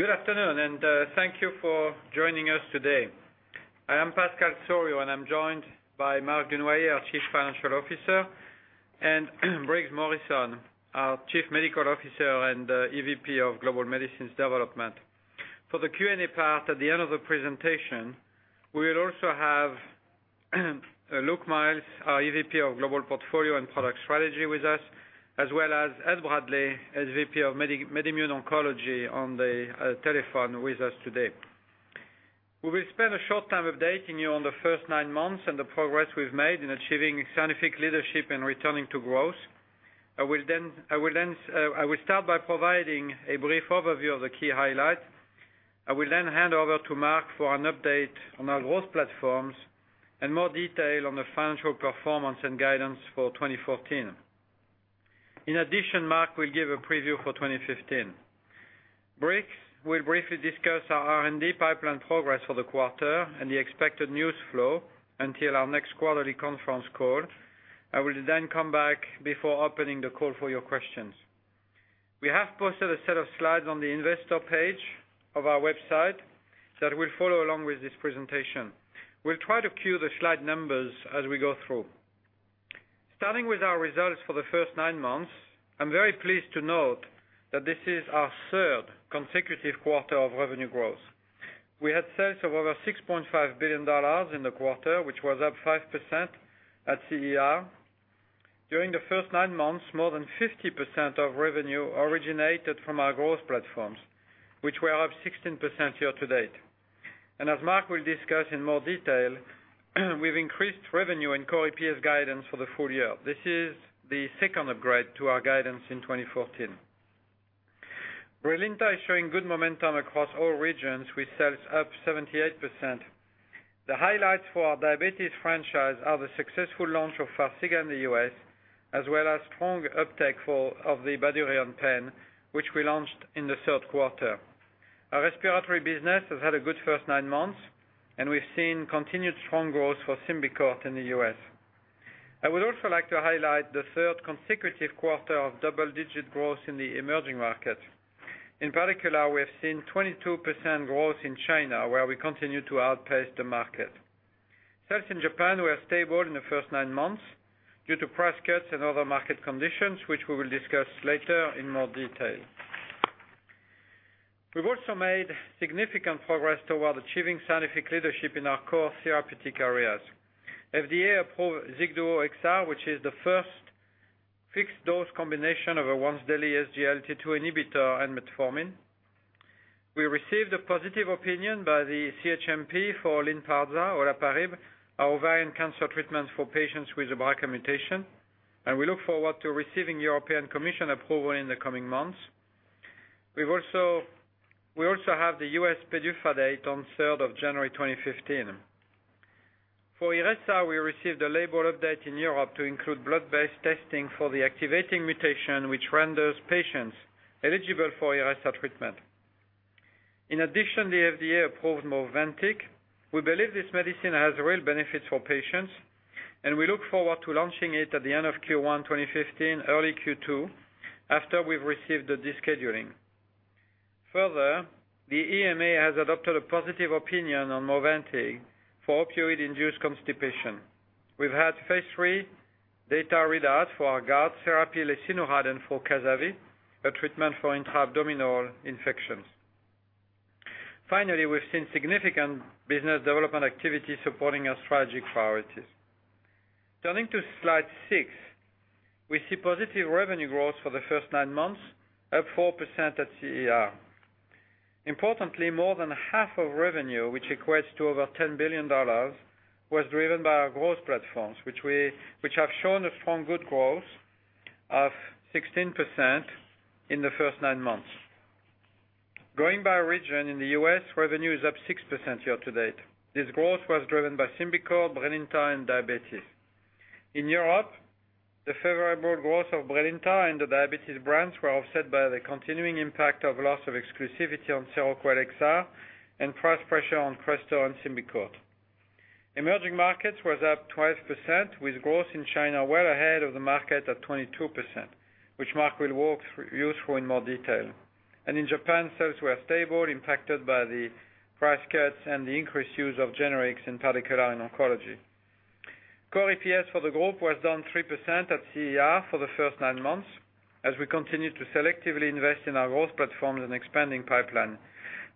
Good afternoon, and thank you for joining us today. I am Pascal Soriot, and I am joined by Marc Dunoyer, our Chief Financial Officer, and Briggs Morrison, our Chief Medical Officer and EVP of Global Medicines Development. For the Q&A part at the end of the presentation, we will also have Luke Miels, our EVP of Global Portfolio and Product Strategy with us, as well as Ed Bradley, SVP of MedImmune Oncology, on the telephone with us today. We will spend a short time updating you on the first nine months and the progress we have made in achieving scientific leadership and returning to growth. I will start by providing a brief overview of the key highlights. I will then hand over to Marc for an update on our growth platforms and more detail on the financial performance and guidance for 2014. In addition, Marc will give a preview for 2015. Briggs will briefly discuss our R&D pipeline progress for the quarter and the expected news flow until our next quarterly conference call. I will come back before opening the call for your questions. We have posted a set of slides on the investor page of our website that will follow along with this presentation. We will try to cue the slide numbers as we go through. Starting with our results for the first nine months, I am very pleased to note that this is our third consecutive quarter of revenue growth. We had sales of over $6.5 billion in the quarter, which was up 5% at CER. During the first nine months, more than 50% of revenue originated from our growth platforms, which were up 16% year-to-date. As Marc will discuss in more detail, we have increased revenue and Core EPS guidance for the full year. This is the second upgrade to our guidance in 2014. BRILINTA is showing good momentum across all regions, with sales up 78%. The highlights for our diabetes franchise are the successful launch of FARXIGA in the U.S., as well as strong uptake of the BYDUREON pen, which we launched in the third quarter. Our respiratory business has had a good first nine months, and we have seen continued strong growth for SYMBICORT in the U.S. I would also like to highlight the third consecutive quarter of double-digit growth in the emerging markets. In particular, we have seen 22% growth in China, where we continue to outpace the market. Sales in Japan were stable in the first nine months due to price cuts and other market conditions, which we will discuss later in more detail. We have also made significant progress toward achieving scientific leadership in our core therapeutic areas. FDA approved XIGDUO XR, which is the first fixed-dose combination of a once-daily SGLT2 inhibitor and metformin. We received a positive opinion by the CHMP for LYNPARZA, or olaparib, our ovarian cancer treatment for patients with a BRCA mutation. We look forward to receiving European Commission approval in the coming months. We also have the U.S. PDUFA date on third of January 2015. For IRESSA, we received a label update in Europe to include blood-based testing for the activating mutation, which renders patients eligible for IRESSA treatment. In addition, the FDA approved MOVANTIK. We believe this medicine has real benefits for patients, and we look forward to launching it at the end of Q1 2015, early Q2, after we have received the descheduling. Further, the EMA has adopted a positive opinion on MOVANTIK for opioid-induced constipation. We've had phase III data readouts for our gout therapy, lesinurad, and for ceftazidime-avibactam, a treatment for intra-abdominal infections. Finally, we've seen significant business development activity supporting our strategic priorities. Turning to slide six, we see positive revenue growth for the first nine months, up 4% at CER. Importantly, more than half of revenue, which equates to over $10 billion, was driven by our growth platforms, which have shown a strong good growth of 16% in the first nine months. Going by region, in the U.S., revenue is up 6% year-to-date. This growth was driven by SYMBICORT, BRILINTA, and diabetes. In Europe, the favorable growth of BRILINTA and the diabetes brands were offset by the continuing impact of loss of exclusivity on Seroquel XR and price pressure on Crestor and SYMBICORT. Emerging markets was up 12%, with growth in China well ahead of the market at 22%, which Marc will walk you through in more detail. In Japan, sales were stable, impacted by the price cuts and the increased use of generics, in particular in oncology. Core EPS for the group was down 3% at CER for the first nine months as we continued to selectively invest in our growth platforms and expanding pipeline.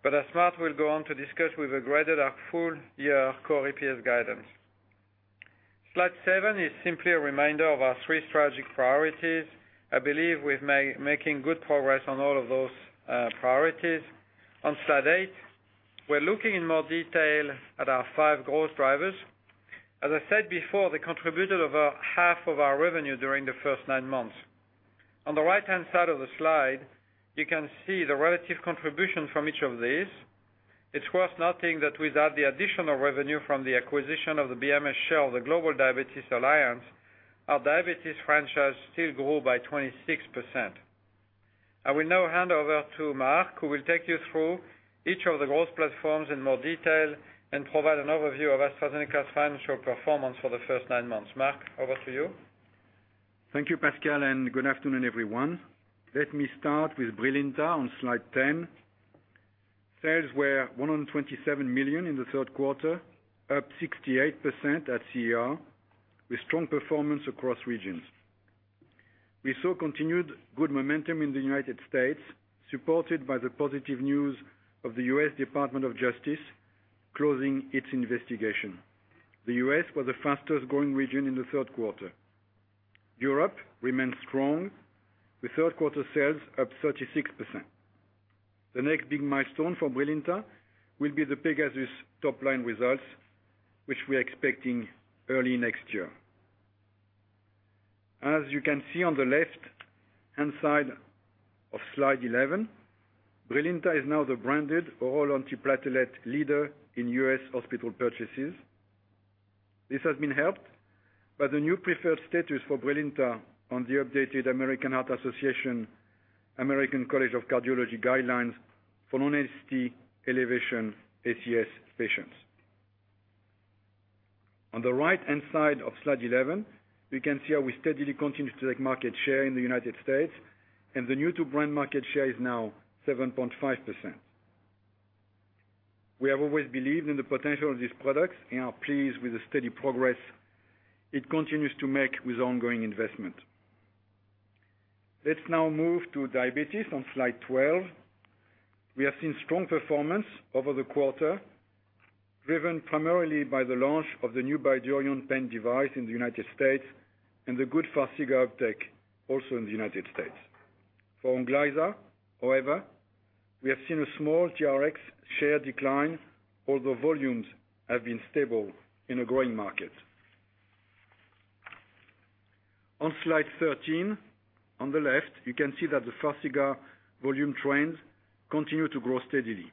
As Marc will go on to discuss, we've upgraded our full-year Core EPS guidance. Slide seven is simply a reminder of our three strategic priorities. I believe we're making good progress on all of those priorities. On slide eight, we're looking in more detail at our five growth drivers. As I said before, they contributed over half of our revenue during the first nine months. On the right-hand side of the slide, you can see the relative contribution from each of these. It's worth noting that without the additional revenue from the acquisition of the BMS share of the AstraZeneca/Bristol-Myers Squibb Diabetes Alliance, our diabetes franchise still grew by 26%. I will now hand over to Marc, who will take you through each of the growth platforms in more detail and provide an overview of AstraZeneca's financial performance for the first nine months. Marc, over to you. Thank you, Pascal, and good afternoon, everyone. Let me start with BRILINTA on slide 10. Sales were $127 million in the third quarter, up 68% at CER, with strong performance across regions. We saw continued good momentum in the United States, supported by the positive news of the U.S. Department of Justice closing its investigation. The U.S. was the fastest-growing region in the third quarter. Europe remains strong, with third-quarter sales up 36%. The next big milestone for BRILINTA will be the PEGASUS top-line results, which we're expecting early next year. As you can see on the left-hand side of slide 11, BRILINTA is now the branded oral antiplatelet leader in U.S. hospital purchases. This has been helped by the new preferred status for BRILINTA on the updated American Heart Association/American College of Cardiology guidelines for non-ST elevation ACS patients. On the right-hand side of slide 11, we can see how we steadily continue to take market share in the U.S., and the new to brand market share is now 7.5%. We have always believed in the potential of these products and are pleased with the steady progress it continues to make with ongoing investment. Let's now move to diabetes on slide 12. We have seen strong performance over the quarter, driven primarily by the launch of the new BYDUREON pen device in the U.S. and the good FARXIGA uptake also in the U.S. For ONGLYZA, however, we have seen a small TRx share decline, although volumes have been stable in a growing market. On slide 13, on the left, you can see that the FARXIGA volume trends continue to grow steadily.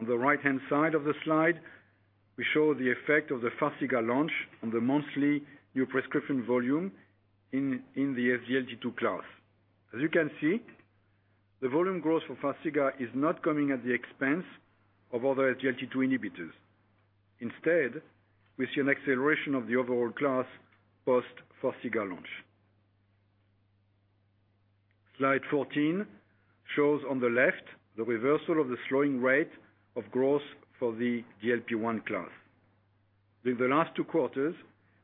On the right-hand side of the slide, we show the effect of the FARXIGA launch on the monthly new prescription volume in the SGLT2 class. As you can see, the volume growth for FARXIGA is not coming at the expense of other SGLT2 inhibitors. Instead, we see an acceleration of the overall class post-FARXIGA launch. Slide 14 shows on the left the reversal of the slowing rate of growth for the GLP-1 class. During the last two quarters,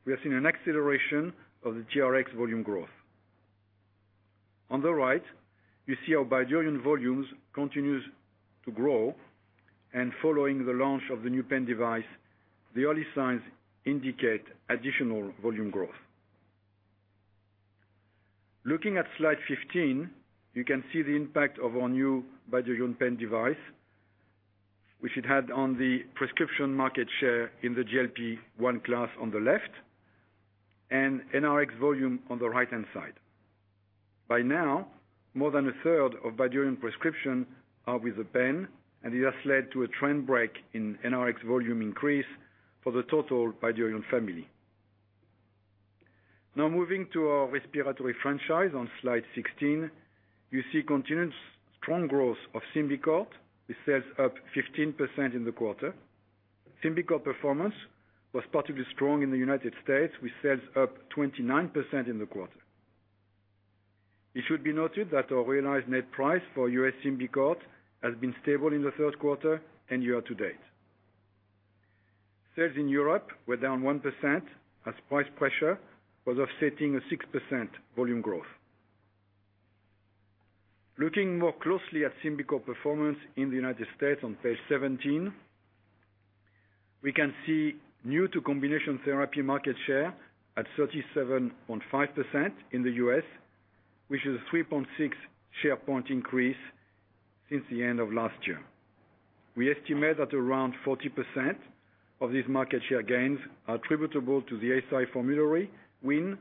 we have seen an acceleration of the TRx volume growth. On the right, you see how BYDUREON volumes continues to grow, and following the launch of the new pen device, the early signs indicate additional volume growth. Looking at slide 15, you can see the impact of our new BYDUREON pen device, which it had on the prescription market share in the GLP-1 class on the left, and in our TRx volume on the right-hand side. By now, more than a third of BYDUREON prescription are with the pen, and this has led to a trend break in TRx volume increase for the total BYDUREON family. Now moving to our respiratory franchise on slide 16, you see continued strong growth of SYMBICORT. Its sales up 15% in the quarter. SYMBICORT performance was particularly strong in the U.S., with sales up 29% in the quarter. It should be noted that our realized net price for U.S. SYMBICORT has been stable in the third quarter and year-to-date. Sales in Europe were down 1%, as price pressure was offsetting a 6% volume growth. Looking more closely at SYMBICORT performance in the U.S. on page 17, we can see new to combination therapy market share at 37.5% in the U.S., which is a 3.6 share point increase since the end of last year. We estimate that around 40% of these market share gains are attributable to the ESI formulary win,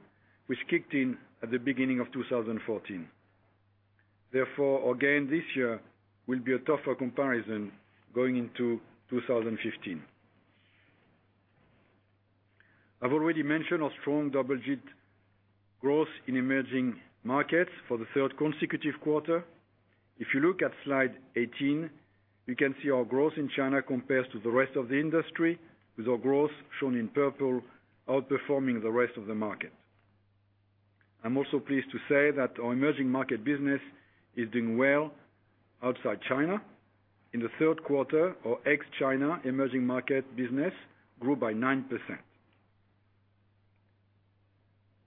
which kicked in at the beginning of 2014. Therefore, our gain this year will be a tougher comparison going into 2015. I've already mentioned our strong double-digit growth in emerging markets for the third consecutive quarter. If you look at slide 18, you can see our growth in China compares to the rest of the industry, with our growth shown in purple outperforming the rest of the market. I'm also pleased to say that our emerging market business is doing well outside China. In the third quarter, our ex-China emerging market business grew by 9%.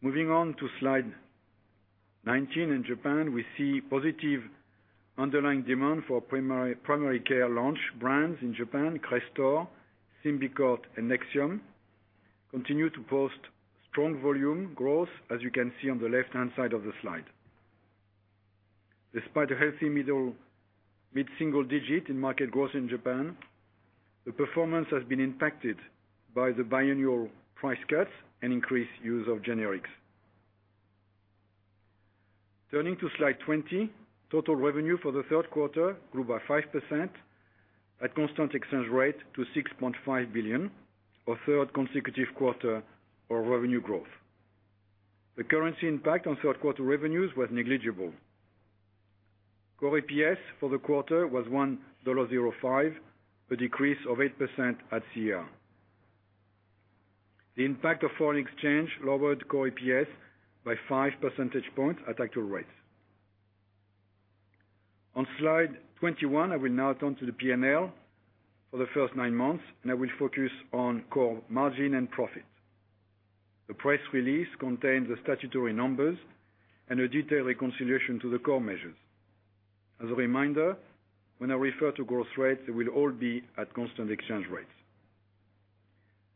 Moving on to slide 19. In Japan, we see positive underlying demand for primary care launch brands in Japan, Crestor, SYMBICORT, and Nexium, continue to post strong volume growth as you can see on the left-hand side of the slide. Despite a healthy mid-single digit in market growth in Japan, the performance has been impacted by the biannual price cuts and increased use of generics. Turning to slide 20, total revenue for the third quarter grew by 5% at constant exchange rate to $6.5 billion, our third consecutive quarter of revenue growth. The currency impact on third-quarter revenues was negligible. Core EPS for the quarter was $1.05, a decrease of 8% at CER. The impact of foreign exchange lowered core EPS by five percentage points at actual rates. On slide 21, I will now turn to the P&L for the first nine months. I will focus on core margin and profit. The press release contains the statutory numbers and a detailed reconciliation to the core measures. As a reminder, when I refer to growth rates, they will all be at constant exchange rates.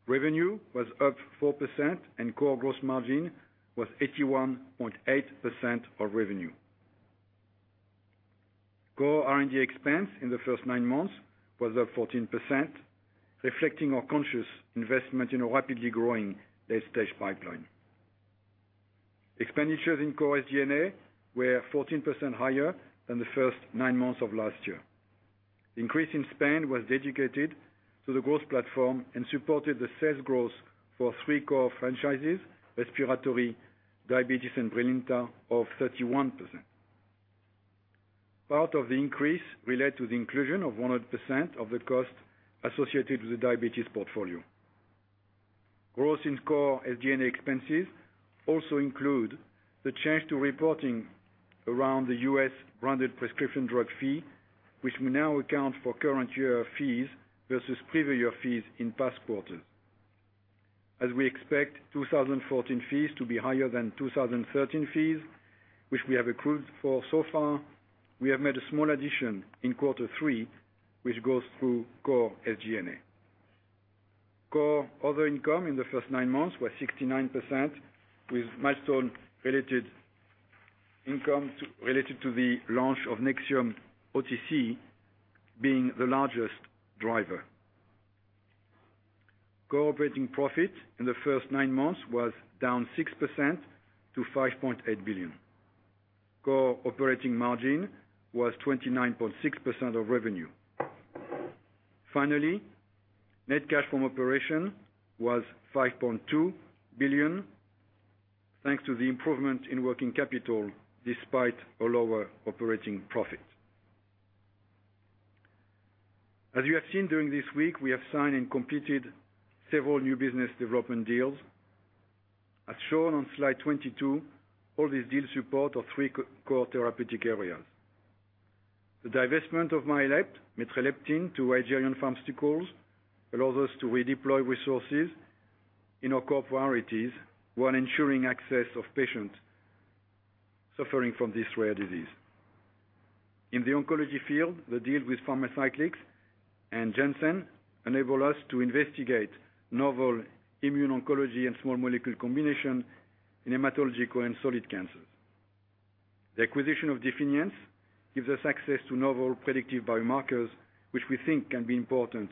Revenue was up 4%. Core gross margin was 81.8% of revenue. Core R&D expense in the first nine months was up 14%, reflecting our conscious investment in a rapidly growing late-stage pipeline. Expenditures in core SG&A were 14% higher than the first nine months of last year. The increase in spend was dedicated to the growth platform and supported the sales growth for three core franchises, Respiratory, Diabetes, and BRILINTA of 31%. Part of the increase relate to the inclusion of 100% of the cost associated with the Diabetes portfolio. Growth in core SG&A expenses also include the change to reporting around the U.S. branded prescription drug fee, which will now account for current year fees versus previous year fees in past quarters. As we expect 2014 fees to be higher than 2013 fees, which we have accrued for so far, we have made a small addition in quarter three, which goes through core SG&A. Core other income in the first nine months was 69%, with milestone-related income related to the launch of Nexium OTC being the largest driver. Core operating profit in the first nine months was down 6% to $5.8 billion. Core operating margin was 29.6% of revenue. Finally, net cash from operation was $5.2 billion, thanks to the improvement in working capital despite a lower operating profit. As you have seen during this week, we have signed and completed several new business development deals. As shown on slide 22, all these deals support our three core therapeutic areas. The divestment of Myalept, metreleptin, to Aegerion Pharmaceuticals allows us to redeploy resources in our core priorities while ensuring access of patients suffering from this rare disease. In the oncology field, the deal with Pharmacyclics and Janssen enable us to investigate novel immune oncology and small molecule combination in hematological and solid cancers. The acquisition of Definiens gives us access to novel predictive biomarkers, which we think can be important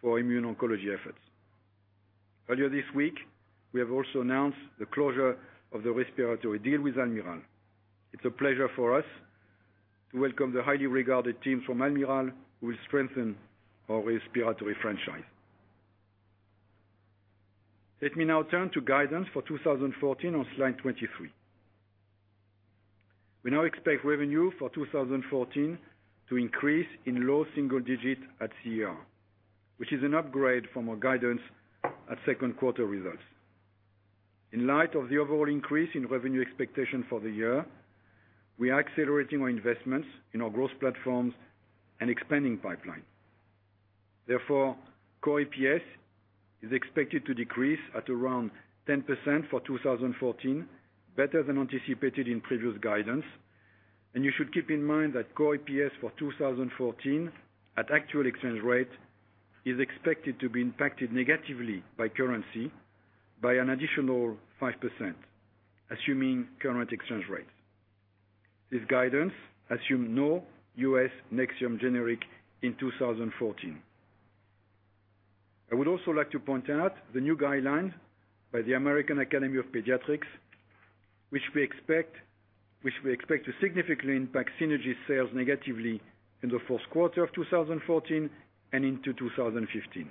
for immune oncology efforts. Earlier this week, we have also announced the closure of the respiratory deal with Almirall. It's a pleasure for us to welcome the highly regarded team from Almirall who will strengthen our respiratory franchise. Let me now turn to guidance for 2014 on slide 23. We now expect revenue for 2014 to increase in low single digit at CER, which is an upgrade from our guidance at second quarter results. In light of the overall increase in revenue expectation for the year, we are accelerating our investments in our growth platforms and expanding pipeline. Therefore, Core EPS is expected to decrease at around 10% for 2014, better than anticipated in previous guidance. You should keep in mind that Core EPS for 2014 at actual exchange rate is expected to be impacted negatively by currency by an additional 5%, assuming current exchange rates. This guidance assume no U.S. Nexium generic in 2014. I would also like to point out the new guidelines by the American Academy of Pediatrics, which we expect to significantly impact Synagis sales negatively in the first quarter of 2014 and into 2015.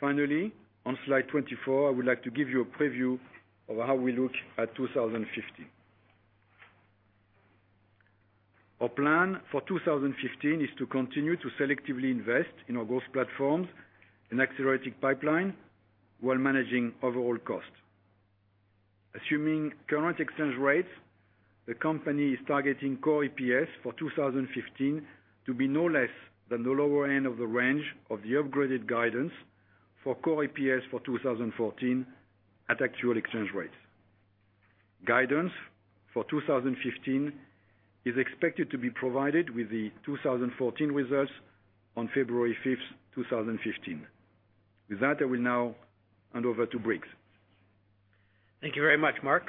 Finally, on slide 24, I would like to give you a preview of how we look at 2015. Our plan for 2015 is to continue to selectively invest in our growth platforms and accelerating pipeline while managing overall cost. Assuming current exchange rates, the company is targeting Core EPS for 2015 to be no less than the lower end of the range of the upgraded guidance for Core EPS for 2014 at actual exchange rates. Guidance for 2015 is expected to be provided with the 2014 results on February 5th, 2015. With that, I will now hand over to Briggs. Thank you very much, Marc.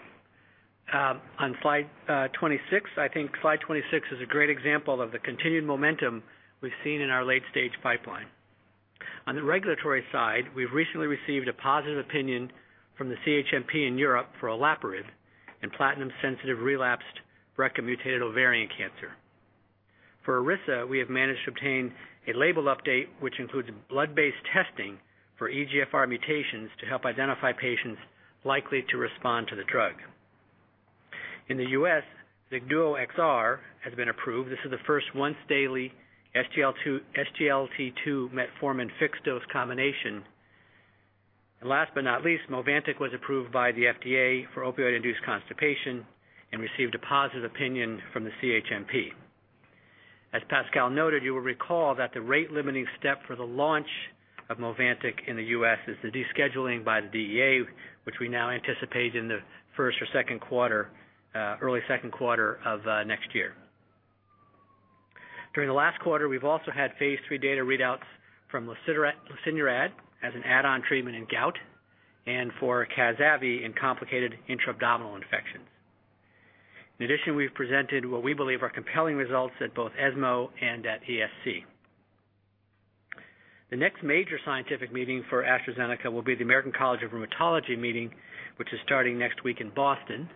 On slide 26, I think slide 26 is a great example of the continued momentum we've seen in our late-stage pipeline. On the regulatory side, we've recently received a positive opinion from the CHMP in Europe for olaparib in platinum-sensitive relapsed BRCA-mutated ovarian cancer. For IRESSA, we have managed to obtain a label update, which includes blood-based testing for EGFR mutations to help identify patients likely to respond to the drug. In the U.S., XIGDUO XR has been approved. This is the first once-daily SGLT2 metformin fixed-dose combination. Last but not least, MOVANTIK was approved by the FDA for opioid-induced constipation and received a positive opinion from the CHMP. As Pascal noted, you will recall that the rate-limiting step for the launch of MOVANTIK in the U.S. is the descheduling by the DEA, which we now anticipate in the first or second quarter, early second quarter of next year. During the last quarter, we've also had phase III data readouts from lesinurad as an add-on treatment in gout and for ceftazidime-avibactam in complicated intra-abdominal infections. In addition, we've presented what we believe are compelling results at both ESMO and at ESC. The next major scientific meeting for AstraZeneca will be the American College of Rheumatology meeting, which is starting next week in Boston.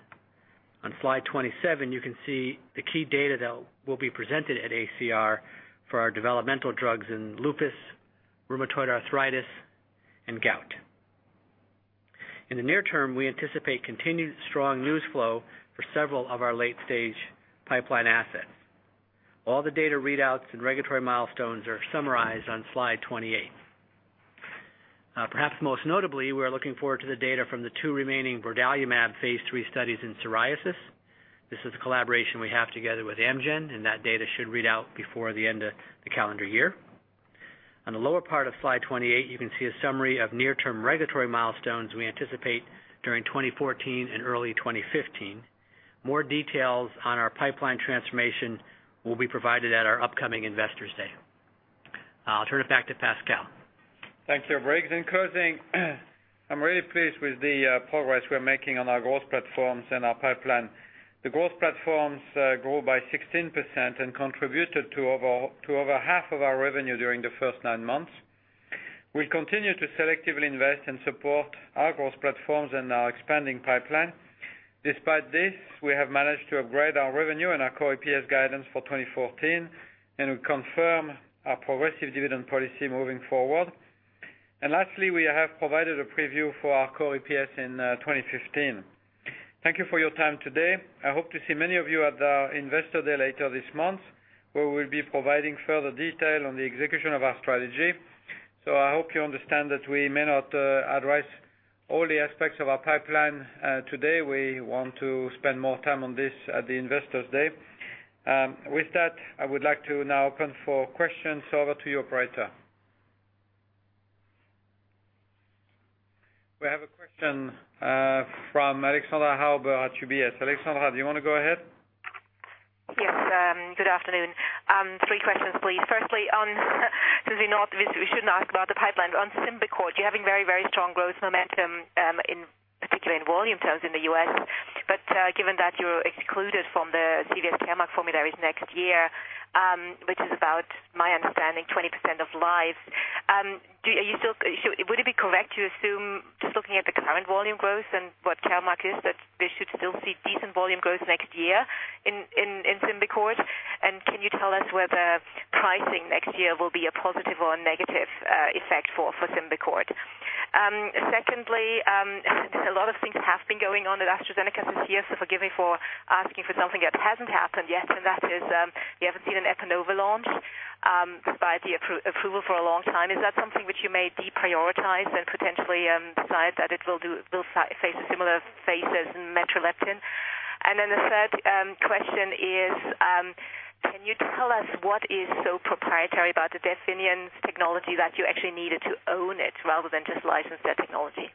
On slide 27, you can see the key data that will be presented at ACR for our developmental drugs in lupus, rheumatoid arthritis, and gout. In the near term, we anticipate continued strong news flow for several of our late-stage pipeline assets. All the data readouts and regulatory milestones are summarized on slide 28. Perhaps most notably, we're looking forward to the data from the two remaining brodalumab phase III studies in psoriasis. This is a collaboration we have together with Amgen. That data should read out before the end of the calendar year. On the lower part of slide 28, you can see a summary of near-term regulatory milestones we anticipate during 2014 and early 2015. More details on our pipeline transformation will be provided at our upcoming Investors Day. I'll turn it back to Pascal. Thank you, Briggs. In closing, I'm really pleased with the progress we're making on our growth platforms and our pipeline. The growth platforms grew by 16% and contributed to over half of our revenue during the first nine months. We continue to selectively invest and support our growth platforms and our expanding pipeline. Despite this, we have managed to upgrade our revenue and our Core EPS guidance for 2014. We confirm our progressive dividend policy moving forward. Lastly, we have provided a preview for our Core EPS in 2015. Thank you for your time today. I hope to see many of you at the Investors Day later this month, where we'll be providing further detail on the execution of our strategy. I hope you understand that we may not address all the aspects of our pipeline today. We want to spend more time on this at the Investors Day. With that, I would like to now open for questions. Over to you, operator. We have a question from Alexandra Hauber at UBS. Alexandra, do you want to go ahead? Yes, good afternoon. Three questions, please. Firstly, since we know that we shouldn't ask about the pipeline. On SYMBICORT, you're having very strong growth momentum, in particular in volume terms in the U.S. Given that you're excluded from the CVS Caremark formularies next year, which is about, my understanding, 20% of lives, would it be correct to assume just looking at the current volume growth and what Caremark is, that we should still see decent volume growth next year in SYMBICORT? Can you tell us whether pricing next year will be a positive or a negative effect for SYMBICORT? Secondly, a lot of things have been going on at AstraZeneca this year, so forgive me for asking for something that hasn't happened yet. That is, we haven't seen an Epanova launch, despite the approval for a long time. Is that something which you may deprioritize and potentially decide that it will face a similar face as metreleptin? The third question is, can you tell us what is so proprietary about the Definiens technology that you actually needed to own it rather than just license their technology?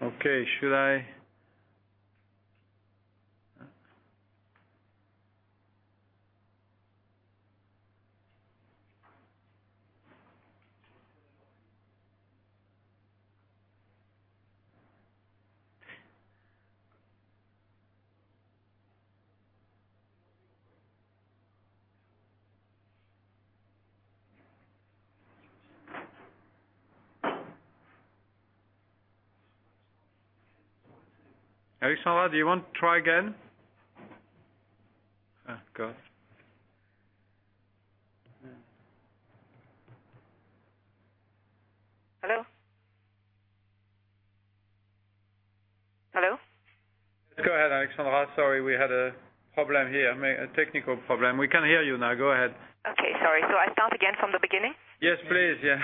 Okay. Should I Alexandra, do you want to try again? Go ahead. Hello? Hello? Go ahead, Alexandra. Sorry, we had a problem here, a technical problem. We can hear you now. Go ahead. Okay. Sorry. I start again from the beginning? Yes, please. Yeah.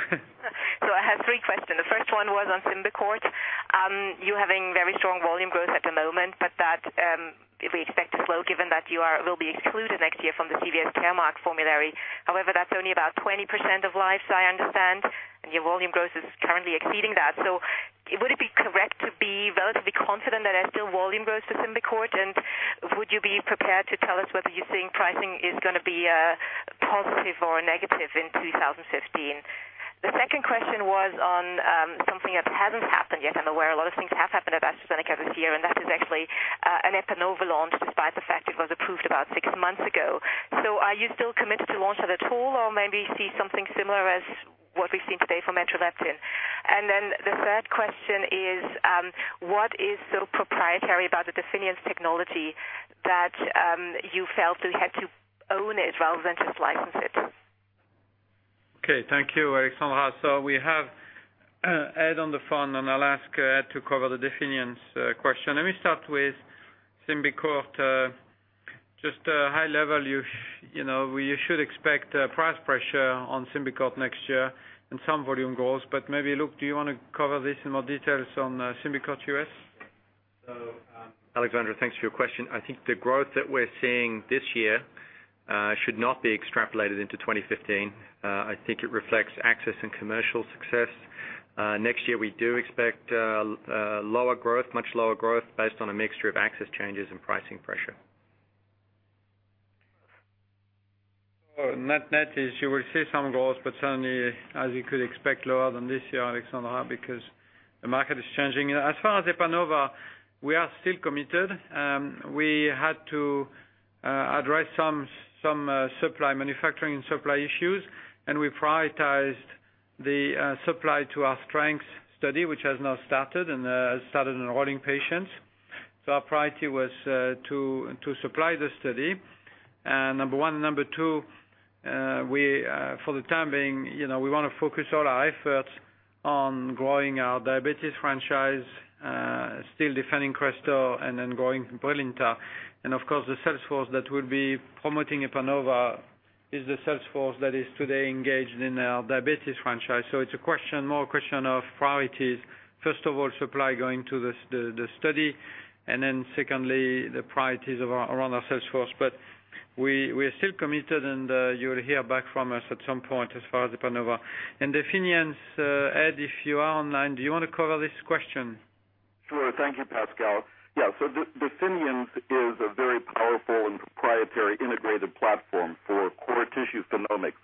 I have three questions. The first one was on SYMBICORT. You're having very strong volume growth at the moment, but that we expect to slow given that you will be excluded next year from the CVS Caremark formulary. However, that's only about 20% of lives, I understand, and your volume growth is currently exceeding that. Would it be correct to be relatively confident that there's still volume growth with SYMBICORT? Would you be prepared to tell us whether you think pricing is going to be positive or negative in 2015? The second question was on something that hasn't happened yet. I'm aware a lot of things have happened at AstraZeneca this year, and that is actually an Epanova launch. It was approved about six months ago. Are you still committed to launch it at all, or maybe see something similar as what we've seen today from metreleptin? The third question is, what is so proprietary about the Definiens technology that you felt you had to own it rather than just license it? Thank you, Alexandra. We have Ed on the phone and I'll ask Ed to cover the Definiens question. Let me start with SYMBICORT. Just high level, we should expect price pressure on SYMBICORT next year and some volume goals, maybe Luke, do you want to cover this in more details on SYMBICORT U.S.? Alexandra, thanks for your question. I think the growth that we're seeing this year should not be extrapolated into 2015. I think it reflects access and commercial success. Next year, we do expect lower growth, much lower growth based on a mixture of access changes and pricing pressure. Net-net is you will see some growth, but certainly as you could expect, lower than this year, Alexandra, because the market is changing. As far as Epanova, we are still committed. We had to address some supply manufacturing and supply issues, and we prioritized the supply to our STRENGTH study, which has now started and has started enrolling patients. Our priority was to supply the study, number one. Number two, for the time being, we want to focus all our efforts on growing our diabetes franchise, still defending Crestor and then growing BRILINTA. Of course, the sales force that will be promoting Epanova is the sales force that is today engaged in our diabetes franchise. It's more a question of priorities. First of all, supply going to the study, and then secondly, the priorities around our sales force. We are still committed, and you'll hear back from us at some point as far as Epanova. Definiens, Ed, if you are online, do you want to cover this question? Sure. Thank you, Pascal. Definiens is a very powerful and proprietary integrated platform for core tissue genomics.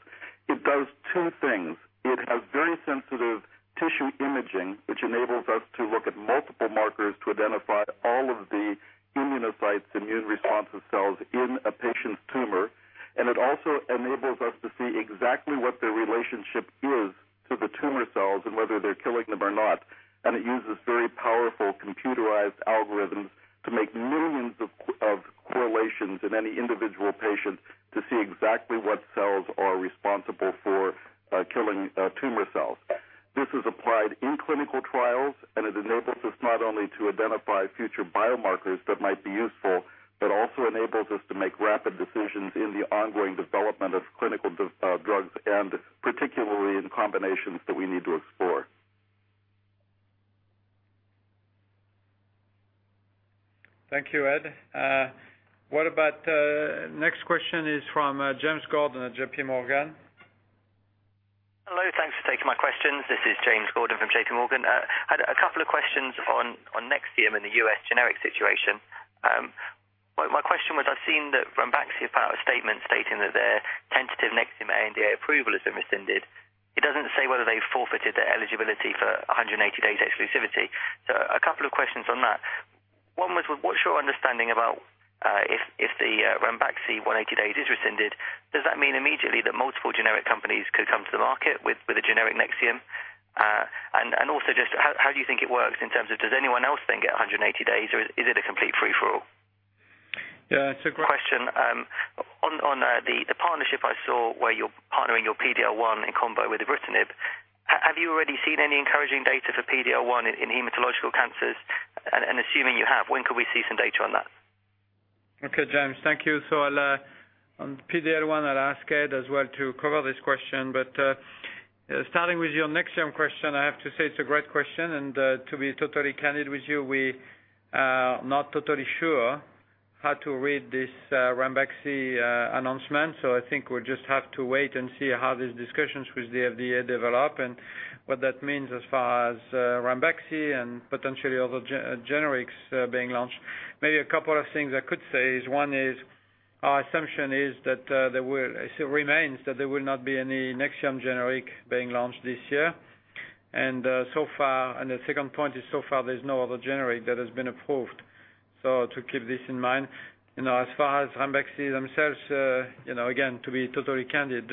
It does two things. It has very sensitive tissue imaging, which enables us to look at multiple markers to identify all of the immunocytes immune responsive cells in a patient's tumor. It also enables us to see exactly what the relationship is to the tumor cells and whether they're killing them or not. It uses very powerful computerized algorithms to make millions of correlations in any individual patient to see exactly what cells are responsible for killing tumor cells. This is applied in clinical trials, and it enables us not only to identify future biomarkers that might be useful, but also enables us to make rapid decisions in the ongoing development of clinical drugs, and particularly in combinations that we need to explore. Thank you, Ed. What about next question is from James Gordon at JPMorgan. Hello, thanks for taking my questions. This is James Gordon from JPMorgan. I had a couple of questions on Nexium and the U.S. generic situation. My question was, I've seen that Ranbaxy put out a statement stating that their tentative Nexium ANDA approval has been rescinded. It doesn't say whether they forfeited their eligibility for 180 days exclusivity. A couple of questions on that. One was, what's your understanding about if the Ranbaxy 180 days is rescinded, does that mean immediately that multiple generic companies could come to the market with a generic Nexium? Also just how do you think it works in terms of does anyone else then get 180 days, or is it a complete free-for-all? Yeah. Question. On the partnership I saw where you're partnering your PD-L1 in combo with ibrutinib, have you already seen any encouraging data for PD-L1 in hematological cancers? Assuming you have, when could we see some data on that? Okay, James, thank you. On PD-L1, I'll ask Ed as well to cover this question. Starting with your Nexium question, I have to say it's a great question, and to be totally candid with you, we are not totally sure how to read this Ranbaxy announcement. I think we'll just have to wait and see how these discussions with the FDA develop and what that means as far as Ranbaxy and potentially other generics being launched. Maybe a couple of things I could say is one is our assumption remains that there will not be any Nexium generic being launched this year. The second point is, so far, there's no other generic that has been approved. To keep this in mind. As far as Ranbaxy themselves, again, to be totally candid,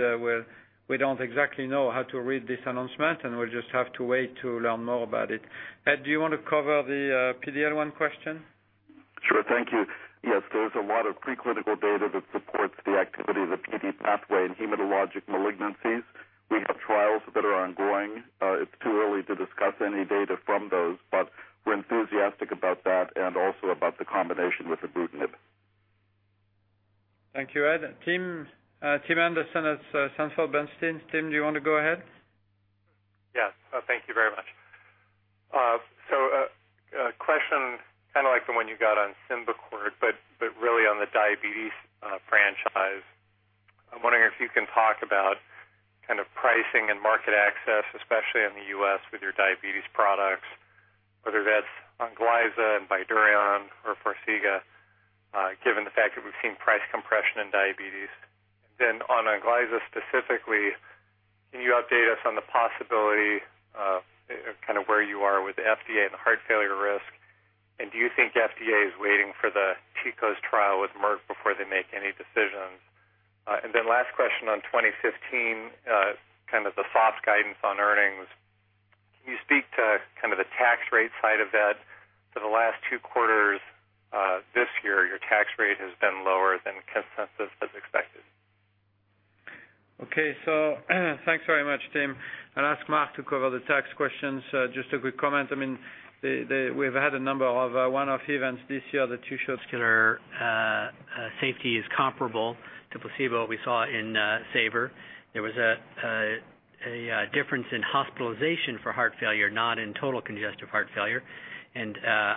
we don't exactly know how to read this announcement, and we'll just have to wait to learn more about it. Ed, do you want to cover the PD-L1 question? Sure. Thank you. Yes, there's a lot of preclinical data that supports the activity of the PD pathway in hematologic malignancies. We have trials that are ongoing. It's too early to discuss any data from those, but we're enthusiastic about that and also about the combination with ibrutinib. Thank you, Ed. Tim Anderson at Sanford Bernstein. Tim, do you want to go ahead? Yes. Thank you very much. A question, kind of like the one you got on SYMBICORT, really on the diabetes franchise. I'm wondering if you can talk about kind of pricing and market access, especially in the U.S. with your diabetes products, whether that's ONGLYZA and BYDUREON or FARXIGA, given the fact that we've seen price compression in diabetes. On ONGLYZA specifically, can you update us on the possibility of where you are with the FDA and the heart failure risk? Do you think FDA is waiting for the TECOS trial with Merck before they make any decisions? Last question on 2015, the soft guidance on earnings. Can you speak to the tax rate side of that? For the last two quarters this year, your tax rate has been lower than consensus as expected. Okay. Thanks very much, Tim. I'll ask Marc to cover the tax questions. Just a quick comment. We've had a number of one-off events this year that you should Safety is comparable to placebo we saw in SAVOR. There was a difference in hospitalization for heart failure, not in total congestive heart failure.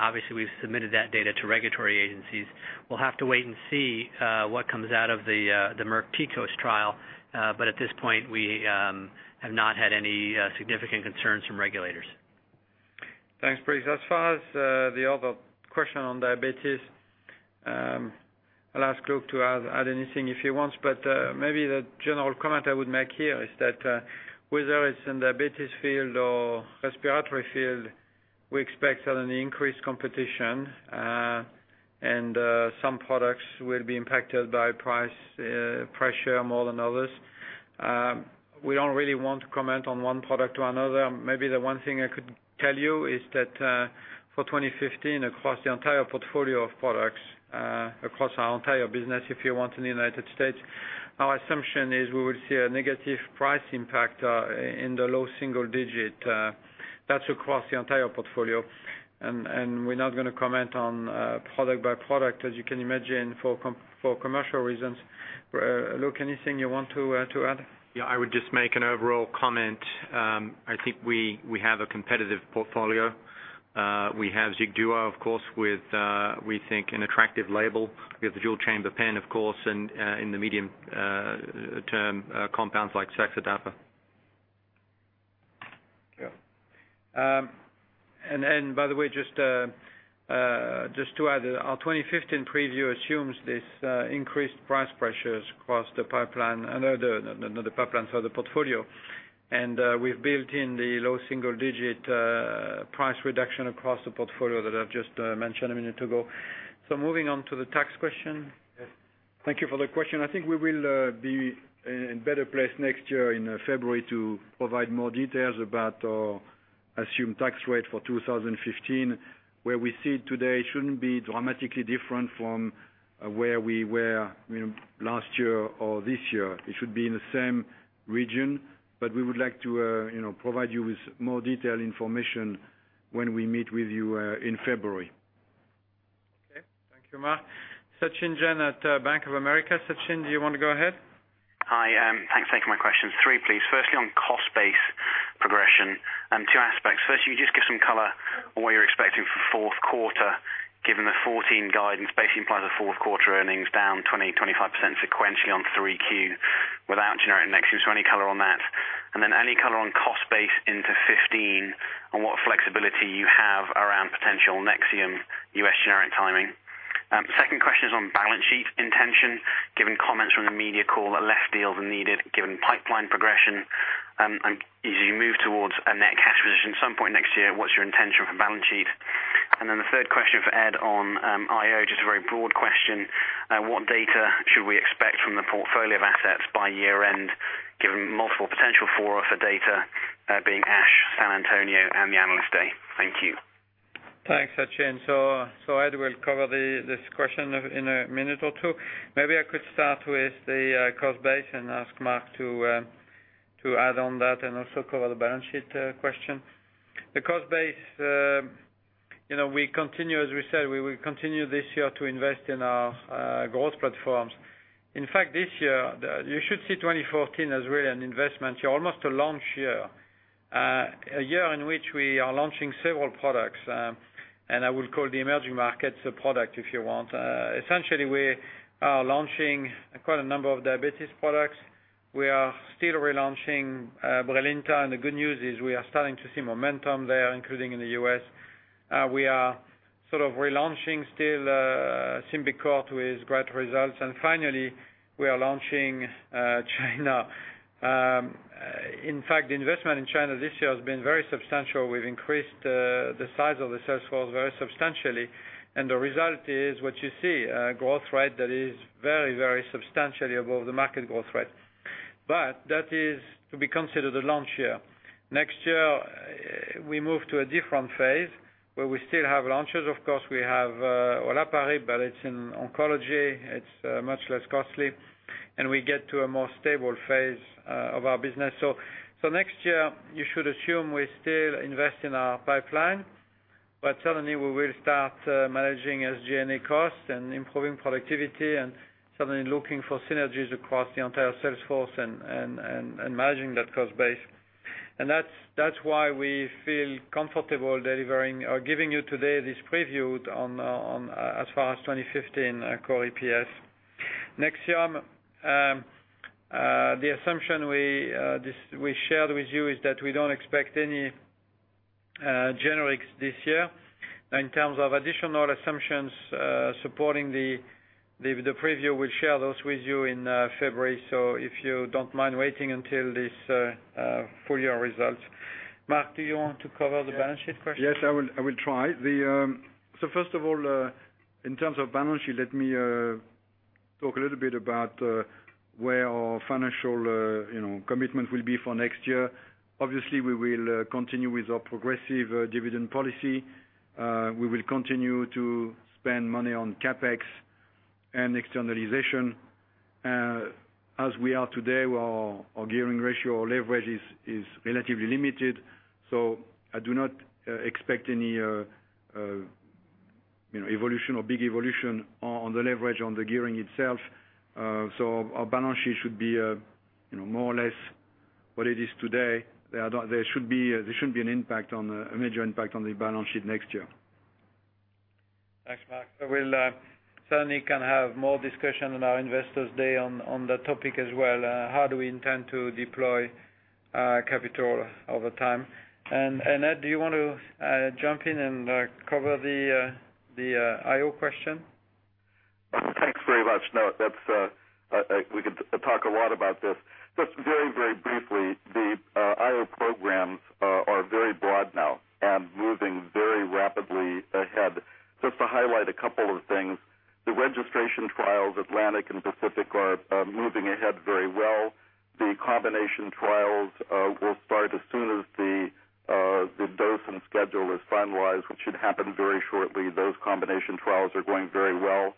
Obviously, we've submitted that data to regulatory agencies. We'll have to wait and see what comes out of the Merck TECOS trial. At this point, we have not had any significant concerns from regulators. Thanks, Briggs. As far as the other question on diabetes, I'll ask Luke to add anything if he wants. Maybe the general comment I would make here is that, whether it's in diabetes field or respiratory field, we expect certainly increased competition. Some products will be impacted by price pressure more than others. We don't really want to comment on one product to another. Maybe the one thing I could tell you is that, for 2015, across the entire portfolio of products, across our entire business, if you want, in the U.S., our assumption is we will see a negative price impact in the low single digit. That's across the entire portfolio. We're not going to comment on product by product, as you can imagine, for commercial reasons. Luke, anything you want to add? I would just make an overall comment. I think we have a competitive portfolio. We have XIGDUO, of course, with, we think, an attractive label. We have the dual-chamber pen, of course, and in the medium term, compounds like saxagliptin. By the way, just to add, our 2015 preview assumes this increased price pressures across the pipeline. Not the pipeline, sorry, the portfolio. We've built in the low single-digit price reduction across the portfolio that I've just mentioned a minute ago. Moving on to the tax question. Yes. Thank you for the question. I think we will be in better place next year in February to provide more details about our assumed tax rate for 2015. Where we see it today shouldn't be dramatically different from where we were last year or this year. It should be in the same region. We would like to provide you with more detailed information when we meet with you in February. Okay, thank you, Marc. Sachin Jain at Bank of America. Sachin, do you want to go ahead? Hi, thanks for taking my questions. Three, please. Firstly, on cost base progression. Two aspects. Firstly, can you just give some color on what you're expecting for fourth quarter, given the 2014 guidance basically implies a fourth quarter earnings down 20%-25% sequentially on 3Q without generic Nexium. Any color on that? Then any color on cost base into 2015, and what flexibility you have around potential Nexium U.S. generic timing. Second question is on balance sheet intention, given comments from the media call that left deals are needed given pipeline progression. As you move towards a net cash position some point next year, what's your intention for balance sheet? Then the third question for Ed on IO, just a very broad question. What data should we expect from the portfolio of assets by year-end, given multiple potential for offer data being ASH, San Antonio, and the Analyst Day? Thank you. Thanks, Sachin. Ed will cover this question in a minute or two. Maybe I could start with the cost base and ask Marc to add on that and also cover the balance sheet question. The cost base, as we said, we will continue this year to invest in our growth platforms. In fact, this year, you should see 2014 as really an investment. Almost a launch year. A year in which we are launching several products. I would call the emerging markets a product if you want. Essentially, we are launching quite a number of diabetes products. We are still relaunching BRILINTA, and the good news is we are starting to see momentum there, including in the U.S. We are sort of relaunching still SYMBICORT with great results. Finally, we are launching China. In fact, the investment in China this year has been very substantial. We've increased the size of the sales force very substantially, and the result is what you see. A growth rate that is very, very substantially above the market growth rate. That is to be considered a launch year. Next year, we move to a different phase, where we still have launches. Of course, we have olaparib, but it's in oncology. It's much less costly. We get to a more stable phase of our business. Next year, you should assume we still invest in our pipeline, but certainly, we will start managing SG&A costs and improving productivity and certainly looking for synergies across the entire sales force and managing that cost base. That's why we feel comfortable delivering or giving you today this preview as far as 2015 Core EPS. Nexium, the assumption we shared with you is that we don't expect any generics this year. In terms of additional assumptions supporting the preview, we'll share those with you in February. If you don't mind waiting until this full year results. Marc, do you want to cover the balance sheet question? Yes, I will try. First of all, in terms of balance sheet, let me talk a little bit about where our financial commitment will be for next year. Obviously, we will continue with our progressive dividend policy. We will continue to spend money on CapEx and externalization. As we are today, our gearing ratio or leverage is relatively limited, I do not expect any evolution or big evolution on the leverage on the gearing itself. Our balance sheet should be more or less what it is today. There shouldn't be a major impact on the balance sheet next year. Thanks, Marc. We'll certainly have more discussion on our Investors' Day on that topic as well. How do we intend to deploy our capital over time? Ed, do you want to jump in and cover the IO question? Thanks very much. We could talk a lot about this. Just very briefly, the IO programs are very broad now and moving very rapidly ahead. Just to highlight a couple of things, the registration trials, ATLANTIC and PACIFIC, are moving ahead very well. The combination trials will start as soon as the dose and schedule is finalized, which should happen very shortly. Those combination trials are going very well.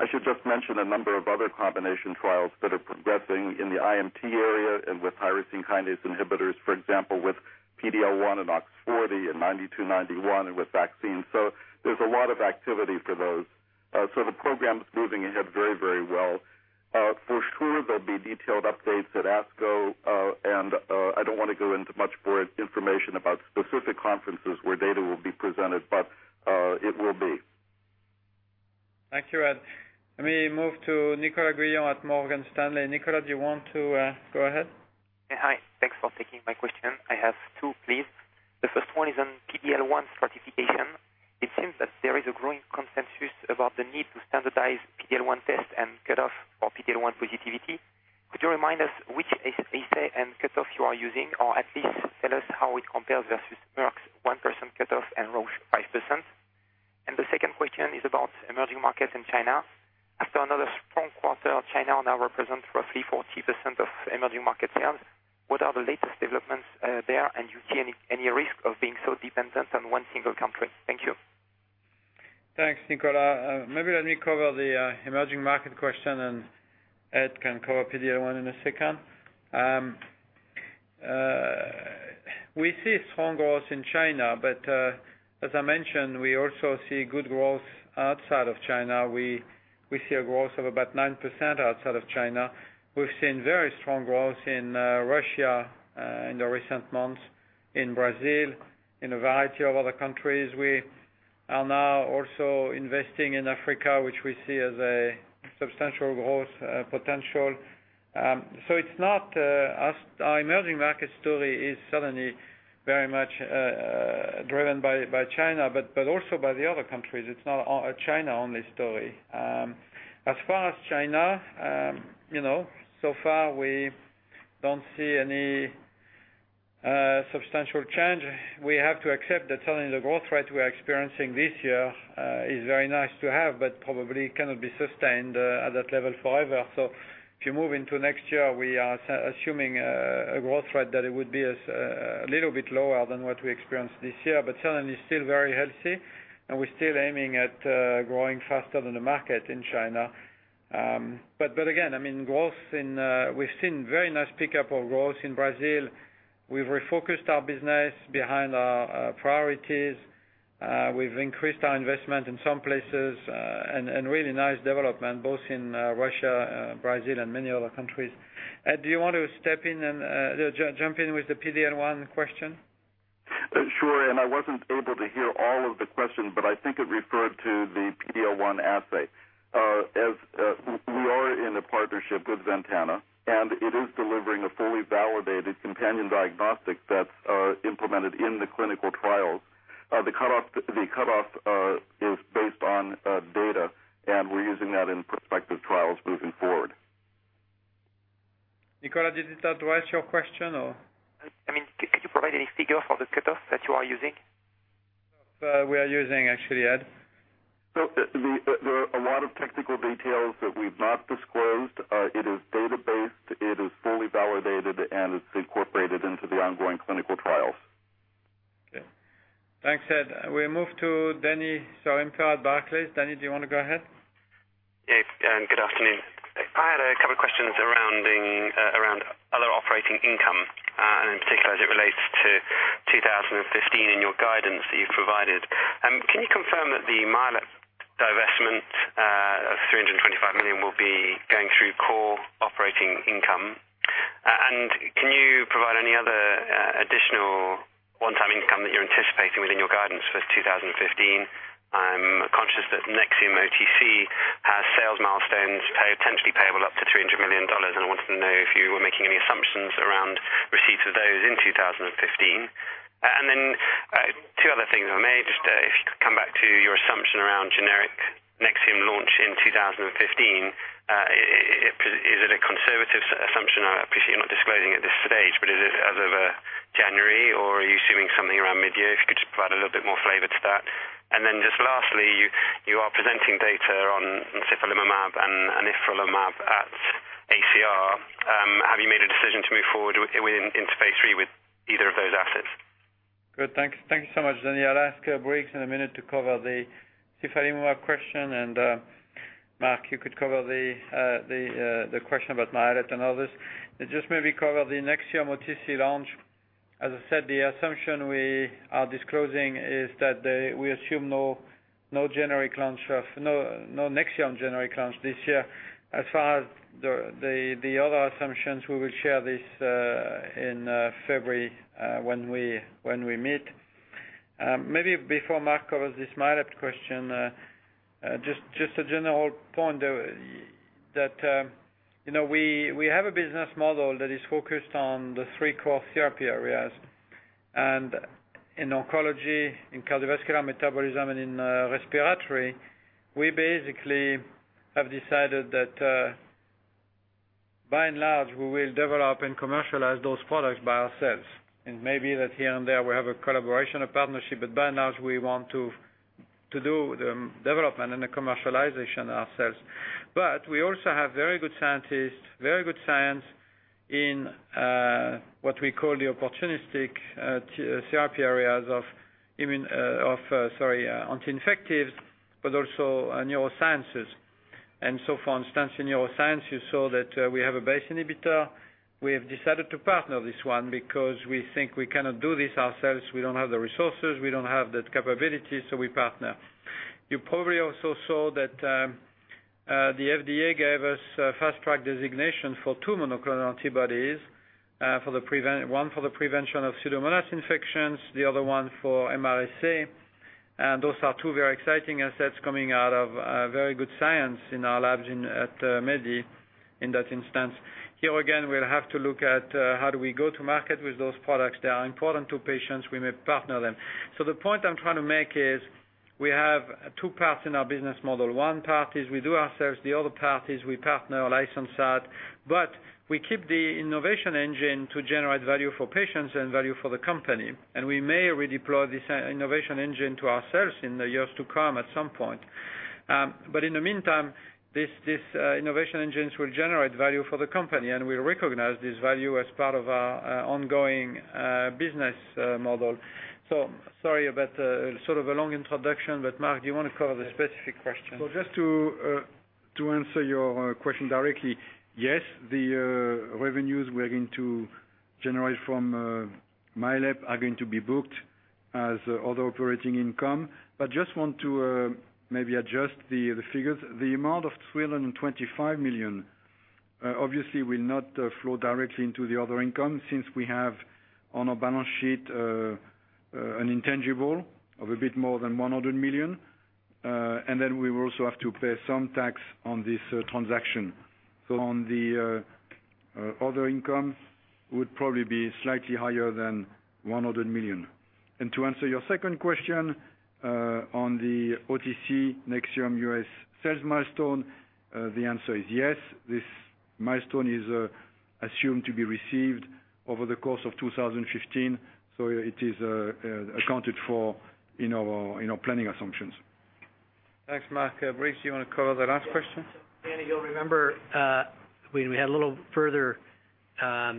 I should just mention a number of other combination trials that are progressing in the Bria-IMT area and with tyrosine kinase inhibitors, for example, with PD-L1 and OX40 and AZD9291 and with vaccines. There's a lot of activity for those. The program is moving ahead very well. For sure, there'll be detailed updates at ASCO, I don't want to go into much more information about specific conferences where data will be presented, but it will be. Thank you, Ed. Let me move to Nicolas Guyon at Morgan Stanley. Nicolas, do you want to go ahead? Yeah. Hi. Thanks for taking my question. I have two, please. The first one is on PD-L1 stratification. It seems that there is a growing consensus about the need to standardize PD-L1 test and cutoff for PD-L1 positivity. Could you remind us which assay and cutoff you are using? Or at least tell us how it compares versus Merck's 1% cutoff and Roche 5%? The second question is about emerging markets in China. After another strong quarter, China now represents roughly 40% of emerging market sales. What are the latest developments there, and do you see any risk of being so dependent on one single country? Thank you. Thanks, Nicolas. Maybe let me cover the emerging market question, and Ed can cover PD-L1 in a second. We see strong growth in China, but as I mentioned, we also see good growth outside of China. We see a growth of about 9% outside of China. We've seen very strong growth in Russia in the recent months, in Brazil, in a variety of other countries. We are now also investing in Africa, which we see as a substantial growth potential. It's not our emerging market story is certainly very much driven by China, but also by the other countries. It's not a China-only story. As far as China, so far we don't see any substantial change. We have to accept that certainly the growth rate we are experiencing this year is very nice to have, but probably cannot be sustained at that level forever. If you move into next year, we are assuming a growth rate that it would be a little bit lower than what we experienced this year, but certainly still very healthy, and we're still aiming at growing faster than the market in China. Again, we've seen very nice pickup of growth in Brazil. We've refocused our business behind our priorities. We've increased our investment in some places, and really nice development both in Russia, Brazil, and many other countries. Ed, do you want to jump in with the PD-L1 question? Sure. I wasn't able to hear all of the question, I think it referred to the PD-L1 assay. As we are in a partnership with Ventana, it is delivering a fully validated companion diagnostic that's implemented in the clinical trials. The cutoff is based on data, we're using that in prospective trials moving forward. Nicolas, does that address your question or? Can you provide any figure for the cutoff that you are using? We are using, actually, Ed. There are a lot of technical details that we've not disclosed. It is data-based, it is fully validated, and it's incorporated into the ongoing clinical trials. Okay. Thanks, Ed. We move to Emmanuel Papadakis at Barclays. Danny, do you want to go ahead? Yes, good afternoon. I had a couple questions around other operating income, and in particular as it relates to 2015 and your guidance that you've provided. Can you confirm that the Myalept divestment of $325 million will be going through core operating income? Can you provide any other additional one-time income that you're anticipating within your guidance for 2015? I'm conscious that Nexium 24HR has sales milestones potentially payable up to $300 million, and I wanted to know if you were making any assumptions around receipts of those in 2015. Two other things, if I may, just if you could come back to your assumption around generic Nexium launch in 2015. Is it a conservative assumption? I appreciate you're not disclosing at this stage, but as of January, or are you assuming something around mid-year? If you could just provide a little bit more flavor to that. Just lastly, you are presenting data on sifalimumab and anifrolumab at ACR. Have you made a decision to move forward into phase III with either of those assets? Good, thanks so much, Danny. I'll ask Briggs in a minute to cover the sifalimumab question. Marc, you could cover the question about Myalept and others. Just maybe cover the Nexium 24HR launch. As I said, the assumption we are disclosing is that we assume no Nexium generic launch this year. As far as the other assumptions, we will share this in February when we meet. Maybe before Marc covers this Myalept question, just a general point, that we have a business model that is focused on the three core therapy areas. In oncology, in cardiovascular metabolism, and in respiratory, we basically have decided that by and large, we will develop and commercialize those products by ourselves. Maybe that here and there we have a collaboration, a partnership, but by and large, we want to do the development and the commercialization ourselves. We also have very good scientists, very good science in what we call the opportunistic therapy areas of anti-infectives, but also neurosciences. For instance, in neurosciences, you saw that we have a BACE inhibitor. We have decided to partner this one because we think we cannot do this ourselves. We don't have the resources, we don't have that capability, so we partner. You probably also saw that the FDA gave us fast track designation for two monoclonal antibodies, one for the prevention of Pseudomonas infections, the other one for MRSA. Those are two very exciting assets coming out of very good science in our labs at MedImmune, in that instance. Here again, we'll have to look at how do we go to market with those products that are important to patients. We may partner them. The point I'm trying to make is we have two parts in our business model. One part is we do ourselves, the other part is we partner or license out. We keep the innovation engine to generate value for patients and value for the company. We may redeploy this innovation engine to ourselves in the years to come at some point. In the meantime, these innovation engines will generate value for the company, and we recognize this value as part of our ongoing business model. Sorry about the long introduction. Marc, do you want to cover the specific question? Just to answer your question directly. Yes, the revenues we are going to generate from Myalept are going to be booked as other operating income, but just want to maybe adjust the figures. The amount of $325 million obviously will not flow directly into the other income since we have on our balance sheet an intangible of a bit more than $100 million. Then we will also have to pay some tax on this transaction. On the other income would probably be slightly higher than $100 million. To answer your second question, on the OTC Nexium U.S. sales milestone, the answer is yes. This milestone is assumed to be received over the course of 2015. It is accounted for in our planning assumptions. Thanks, Marc. Briggs, do you want to cover the last question? Danny, you'll remember we had a little further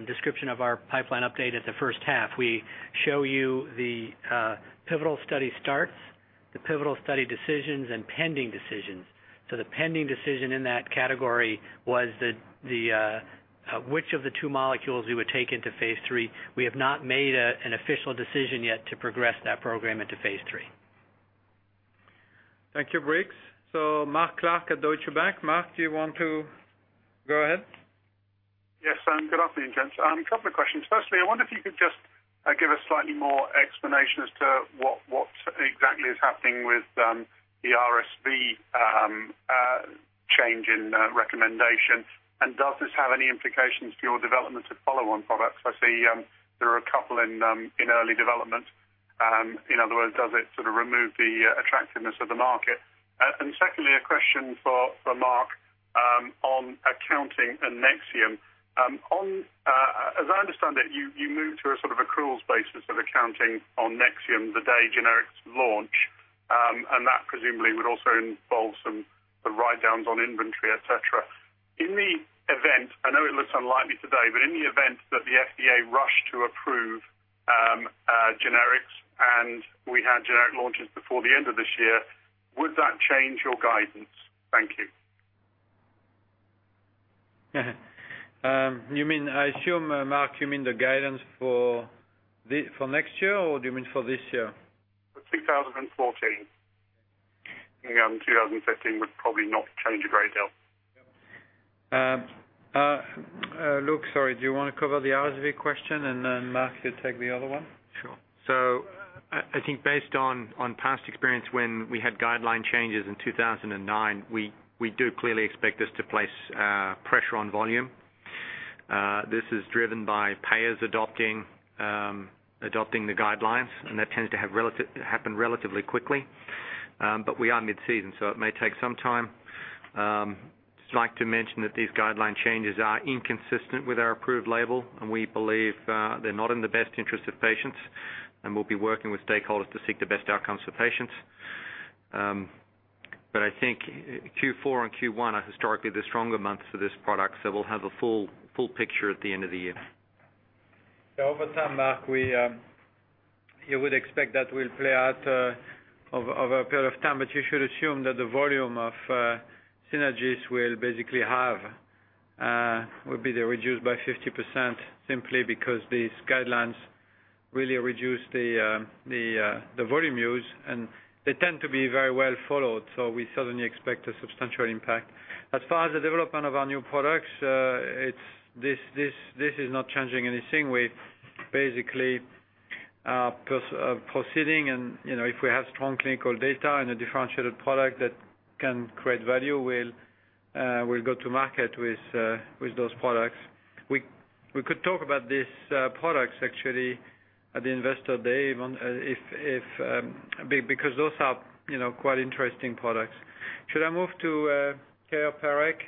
description of our pipeline update at the first half. We show you the pivotal study starts, the pivotal study decisions, and pending decisions. The pending decision in that category was which of the two molecules we would take into phase III. We have not made an official decision yet to progress that program into phase III. Thank you, Briggs. Mark Clark at Deutsche Bank. Mark, do you want to go ahead? Yes. Good afternoon, gents. A couple of questions. Firstly, I wonder if you could just give us slightly more explanation as to what exactly is happening with the RSV change in recommendation, and does this have any implications for your development of follow-on products? I see there are a couple in early development. In other words, does it sort of remove the attractiveness of the market? Secondly, a question for Marc on accounting and Nexium. As I understand it, you moved to a sort of accruals basis of accounting on Nexium the day generics launch, and that presumably would also involve some write-downs on inventory, et cetera. I know it looks unlikely today, but in the event that the FDA rushed to approve generics and we had generic launches before the end of this year, would that change your guidance? Thank you. I assume, Mark, you mean the guidance for next year, or do you mean for this year? For 2014. 2015 would probably not change a great deal. Luke, sorry, do you want to cover the RSV question, and then Marc could take the other one? Sure. I think based on past experience when we had guideline changes in 2009, we do clearly expect this to place pressure on volume. This is driven by payers adopting the guidelines, and that tends to happen relatively quickly. We are mid-season, so it may take some time. Just like to mention that these guideline changes are inconsistent with our approved label, and we believe they're not in the best interest of patients, and we'll be working with stakeholders to seek the best outcomes for patients. I think Q4 and Q1 are historically the stronger months for this product, so we'll have a full picture at the end of the year. Over time, Marc, you would expect that will play out over a period of time. You should assume that the volume of Synagis will be reduced by 50% simply because these guidelines really reduce the volume used, and they tend to be very well followed. We certainly expect a substantial impact. As far as the development of our new products, this is not changing anything. We're basically proceeding and, if we have strong clinical data and a differentiated product that can create value, we'll go to market with those products. We could talk about these products actually at the investor day, because those are quite interesting products. Should I move to Keyur Parekh?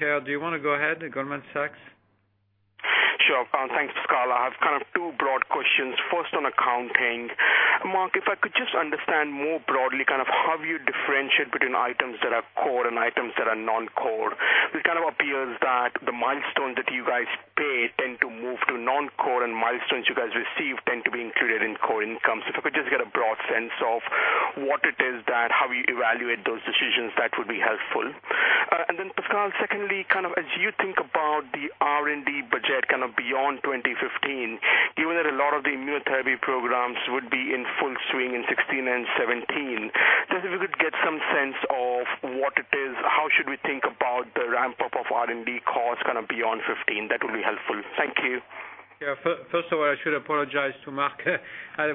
Keyur, do you want to go ahead, at Goldman Sachs? Sure. Thanks, Pascal. I have two broad questions. First, on accounting. Marc, if I could just understand more broadly how you differentiate between items that are core and items that are non-core. It appears that the milestones that you guys pay tend to move to non-core and milestones you guys receive tend to be included in core income. If I could just get a broad sense of what it is that, how you evaluate those decisions, that would be helpful. Pascal, secondly, as you think about the R&D budget beyond 2015, given that a lot of the immunotherapy programs would be in full swing in 2016 and 2017, just if we could get some sense of what it is, how should we think about the ramp-up of R&D costs beyond 2015? That would be helpful. Thank you. Yeah. First of all, I should apologize to Marc.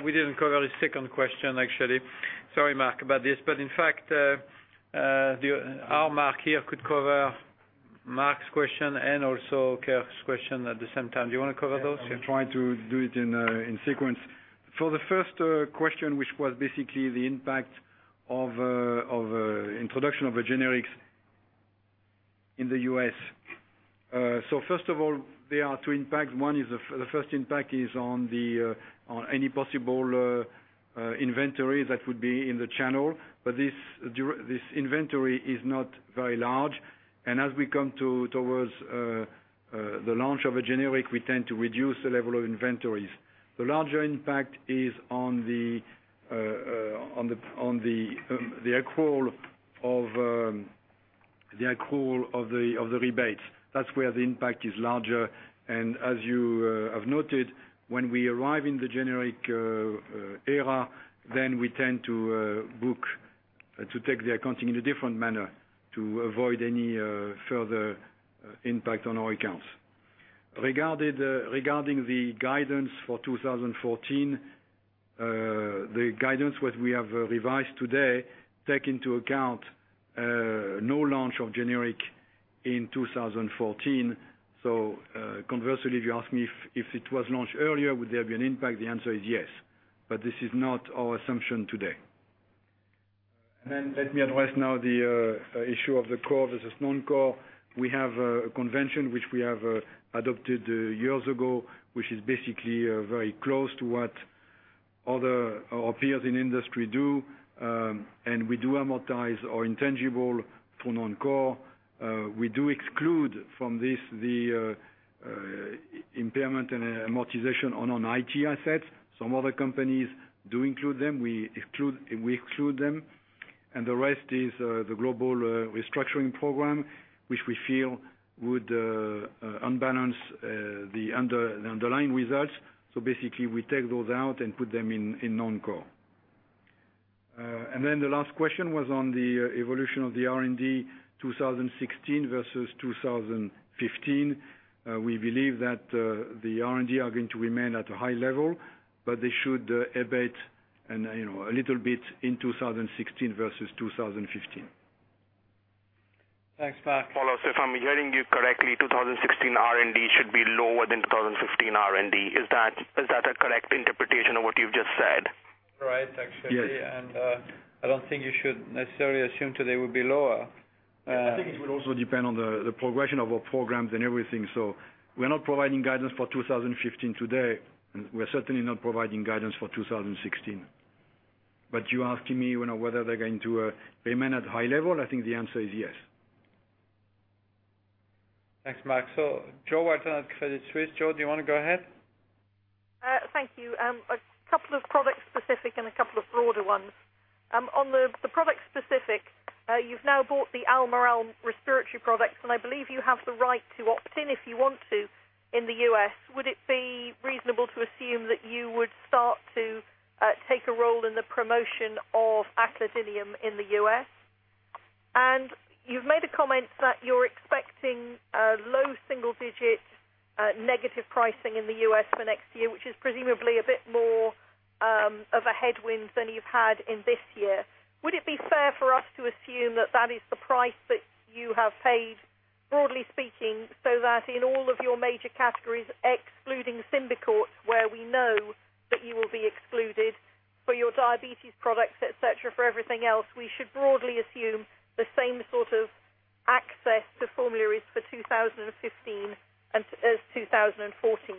We didn't cover his second question, actually. Sorry, Marc, about this. In fact, our Marc here could cover Marc's question and also Keyur's question at the same time. Do you want to cover those? Yes. I will try to do it in sequence. For the first question, which was basically the impact of introduction of a generic in the U.S. First of all, there are two impacts. The first impact is on any possible inventory that would be in the channel. This inventory is not very large. As we come towards the launch of a generic, we tend to reduce the level of inventories. The larger impact is on the accrual of the rebates. That's where the impact is larger. As you have noted, when we arrive in the generic era, we tend to book, to take the accounting in a different manner to avoid any further impact on our accounts. Regarding the guidance for 2014, the guidance which we have revised today take into account no launch of generic in 2014. Conversely, if you ask me, if it was launched earlier, would there be an impact? The answer is yes, but this is not our assumption today. Let me address now the issue of the core versus non-core. We have a convention which we have adopted years ago, which is basically very close to what other peers in industry do. We do amortize our intangible for non-core. We do exclude from this the impairment and amortization on our IT assets. Some other companies do include them. We exclude them. The rest is the global restructuring program, which we feel would unbalance the underlying results. We take those out and put them in non-core. The last question was on the evolution of the R&D 2016 versus 2015. We believe that the R&D are going to remain at a high level, they should abate a little bit in 2016 versus 2015. Thanks, Marc. Follow. If I'm hearing you correctly, 2016 R&D should be lower than 2015 R&D. Is that a correct interpretation of what you've just said? Right, actually. Yes. I don't think you should necessarily assume today will be lower. I think it will also depend on the progression of our programs and everything. We're not providing guidance for 2015 today, and we're certainly not providing guidance for 2016. You asking me whether they're going to remain at high level, I think the answer is yes. Thanks, Marc. Jo Walton at Credit Suisse. Jo, do you want to go ahead? Thank you. A couple of products specific and a couple of broader ones. On the product specific, you've now bought the Almirall respiratory products, and I believe you have the right to opt in if you want to in the U.S. Would it be reasonable to assume that you would start to take a role in the promotion of aclidinium in the U.S.? You've made a comment that you're expecting a low single-digit negative pricing in the U.S. for next year, which is presumably a bit more of a headwind than you've had in this year. Would it be fair for us to assume that that is the price that you have paid, broadly speaking, so that in all of your major categories, excluding SYMBICORT, where we know that you will be excluded for your diabetes products, et cetera, for everything else, we should broadly assume the same sort of access to formularies for 2015 as 2014?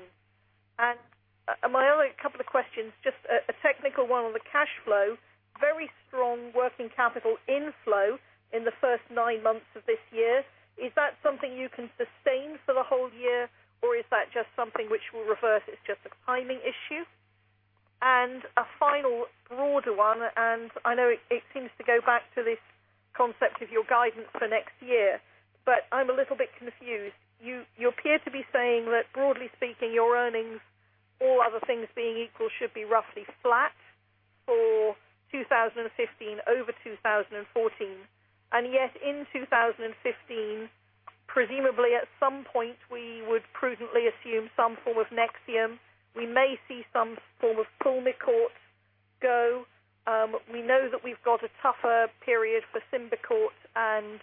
My other couple of questions, just a technical one on the cash flow. Very strong working capital inflow in the first nine months of this year. Is that something you can sustain for the whole year, or is that just something which will reverse, it's just a timing issue? A final broader one, and I know it seems to go back to this concept of your guidance for next year, but I'm a little bit confused. You appear to be saying that broadly speaking, your earnings, all other things being equal, should be roughly flat for 2015 over 2014. Yet in 2015, presumably at some point, we would prudently assume some form of NEXIUM. We may see some form of PULMICORT go. We know that we've got a tougher period for SYMBICORT and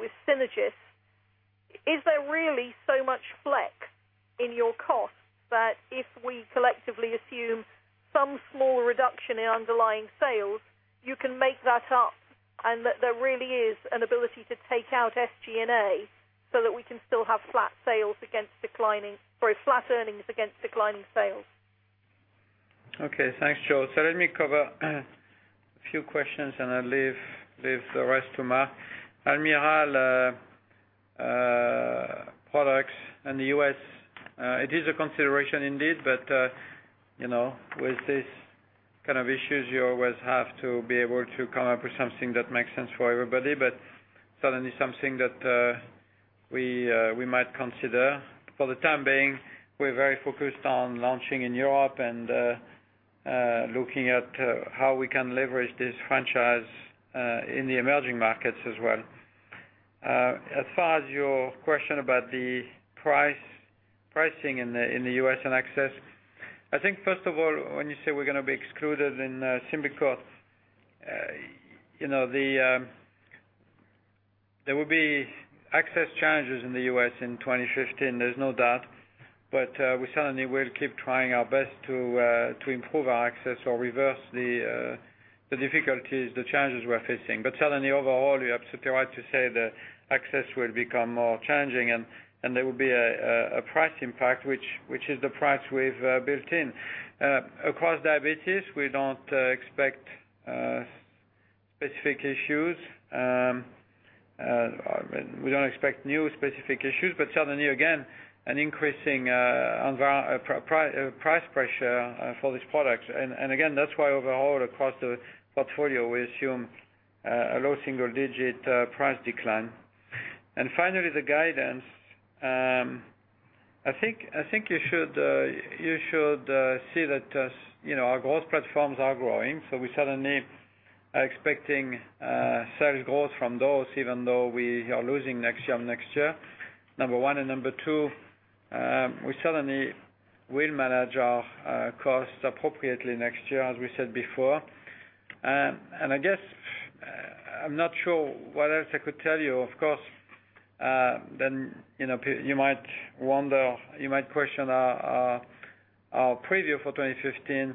with Synagis. Is there really so much flex in your cost that if we collectively assume some small reduction in underlying sales, you can make that up and that there really is an ability to take out SG&A so that we can still have flat earnings against declining sales? Okay. Thanks, Jo. Let me cover a few questions, and I'll leave the rest to Marc. Almirall products in the U.S., it is a consideration indeed, but with these kind of issues, you always have to be able to come up with something that makes sense for everybody. Certainly, something that we might consider. For the time being, we're very focused on launching in Europe and looking at how we can leverage this franchise in the emerging markets as well. As far as your question about the pricing in the U.S. and access, I think first of all, when you say we're going to be excluded in SYMBICORT, there will be access challenges in the U.S. in 2015, there's no doubt. We certainly will keep trying our best to improve our access or reverse the difficulties, the challenges we're facing. Certainly overall, you're absolutely right to say the access will become more challenging, and there will be a price impact, which is the price we've built in. Across diabetes, we don't expect specific issues. We don't expect new specific issues, but certainly again, an increasing price pressure for this product. Again, that's why overall, across the portfolio, we assume a low single-digit price decline. Finally, the guidance. I think you should see that our growth platforms are growing, so we certainly are expecting sales growth from those, even though we are losing NEXIUM next year, number one. Number two, we certainly will manage our costs appropriately next year, as we said before. I guess, I'm not sure what else I could tell you. Of course, you might wonder, you might question our preview for 2015. No.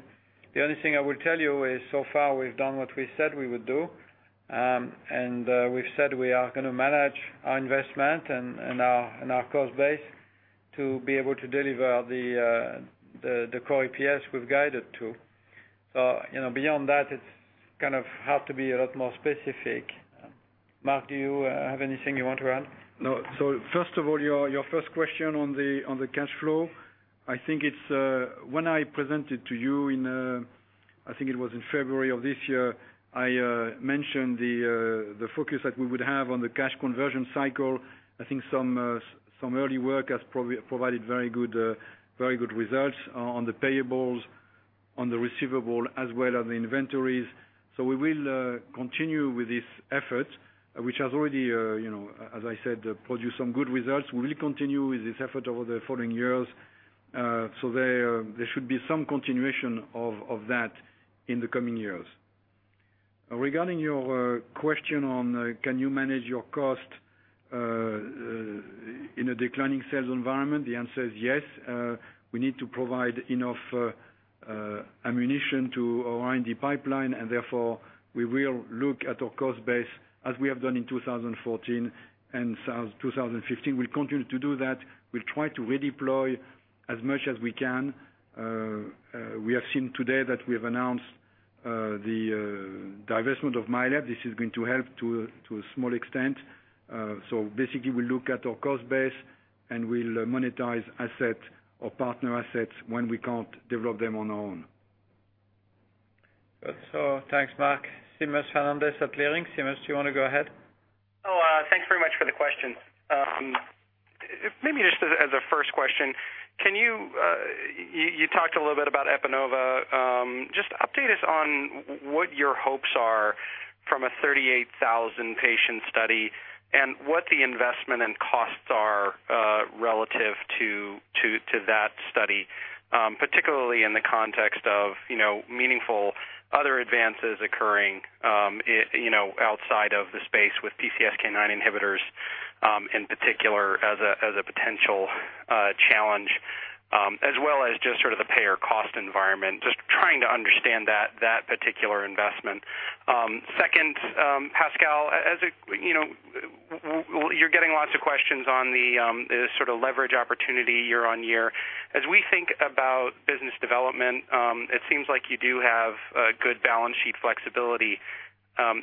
First of all, your first question on the cash flow. I think when I presented to you in, I think it was in February of this year, I mentioned the focus that we would have on the cash conversion cycle. I think some early work has provided very good results on the payables, on the receivable, as well as the inventories. We will continue with this effort, which has already, as I said, produced some good results. We will continue with this effort over the following years. There should be some continuation of that in the coming years. Regarding your question on, can you manage your cost in a declining sales environment? The answer is yes. We need to provide enough ammunition to align the pipeline, and therefore, we will look at our cost base as we have done in 2014 and 2015. The only thing I will tell you is so far we've done what we said we would do. We've said we are going to manage our investment and our cost base to be able to deliver the Core EPS we've guided to. Beyond that, it's going to have to be a lot more specific. Marc, do you have anything you want to add? We'll continue to do that. We'll try to redeploy as much as we can. We have seen today that we have announced the divestment of Myalept. This is going to help to a small extent. Basically, we'll look at our cost base, and we'll monetize asset or partner assets when we can't develop them on our own. Thanks, Marc. Seamus Fernandez at Leerink. Seamus, do you want to go ahead? Thanks very much for the questions. Maybe just as a first question. You talked a little bit about EPANOVA. Just update us on what your hopes are from a 38,000-patient study and what the investment and costs are relative to that study, particularly in the context of meaningful other advances occurring outside of the space with PCSK9 inhibitors, in particular as a potential challenge. As well as just sort of the payer cost environment, just trying to understand that particular investment. Second, Pascal, you're getting lots of questions on the sort of leverage opportunity year-on-year. As we think about business development, it seems like you do have good balance sheet flexibility.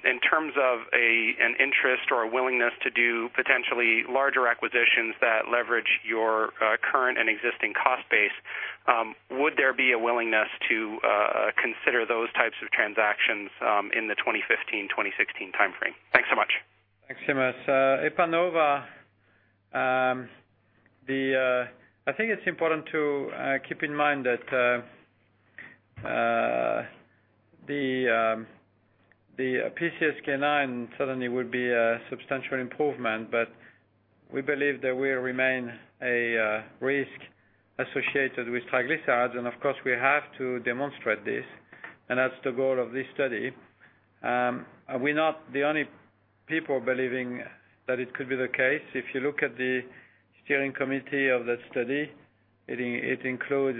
In terms of an interest or a willingness to do potentially larger acquisitions that leverage your current and existing cost base, would there be a willingness to consider those types of transactions in the 2015-2016 timeframe? Thanks so much. Thanks, Seamus. EPANOVA, I think it's important to keep in mind that the PCSK9 suddenly would be a substantial improvement, but we believe there will remain a risk associated with triglycerides, and of course, we have to demonstrate this, and that's the goal of this study. We're not the only people believing that it could be the case. If you look at the steering committee of that study, it includes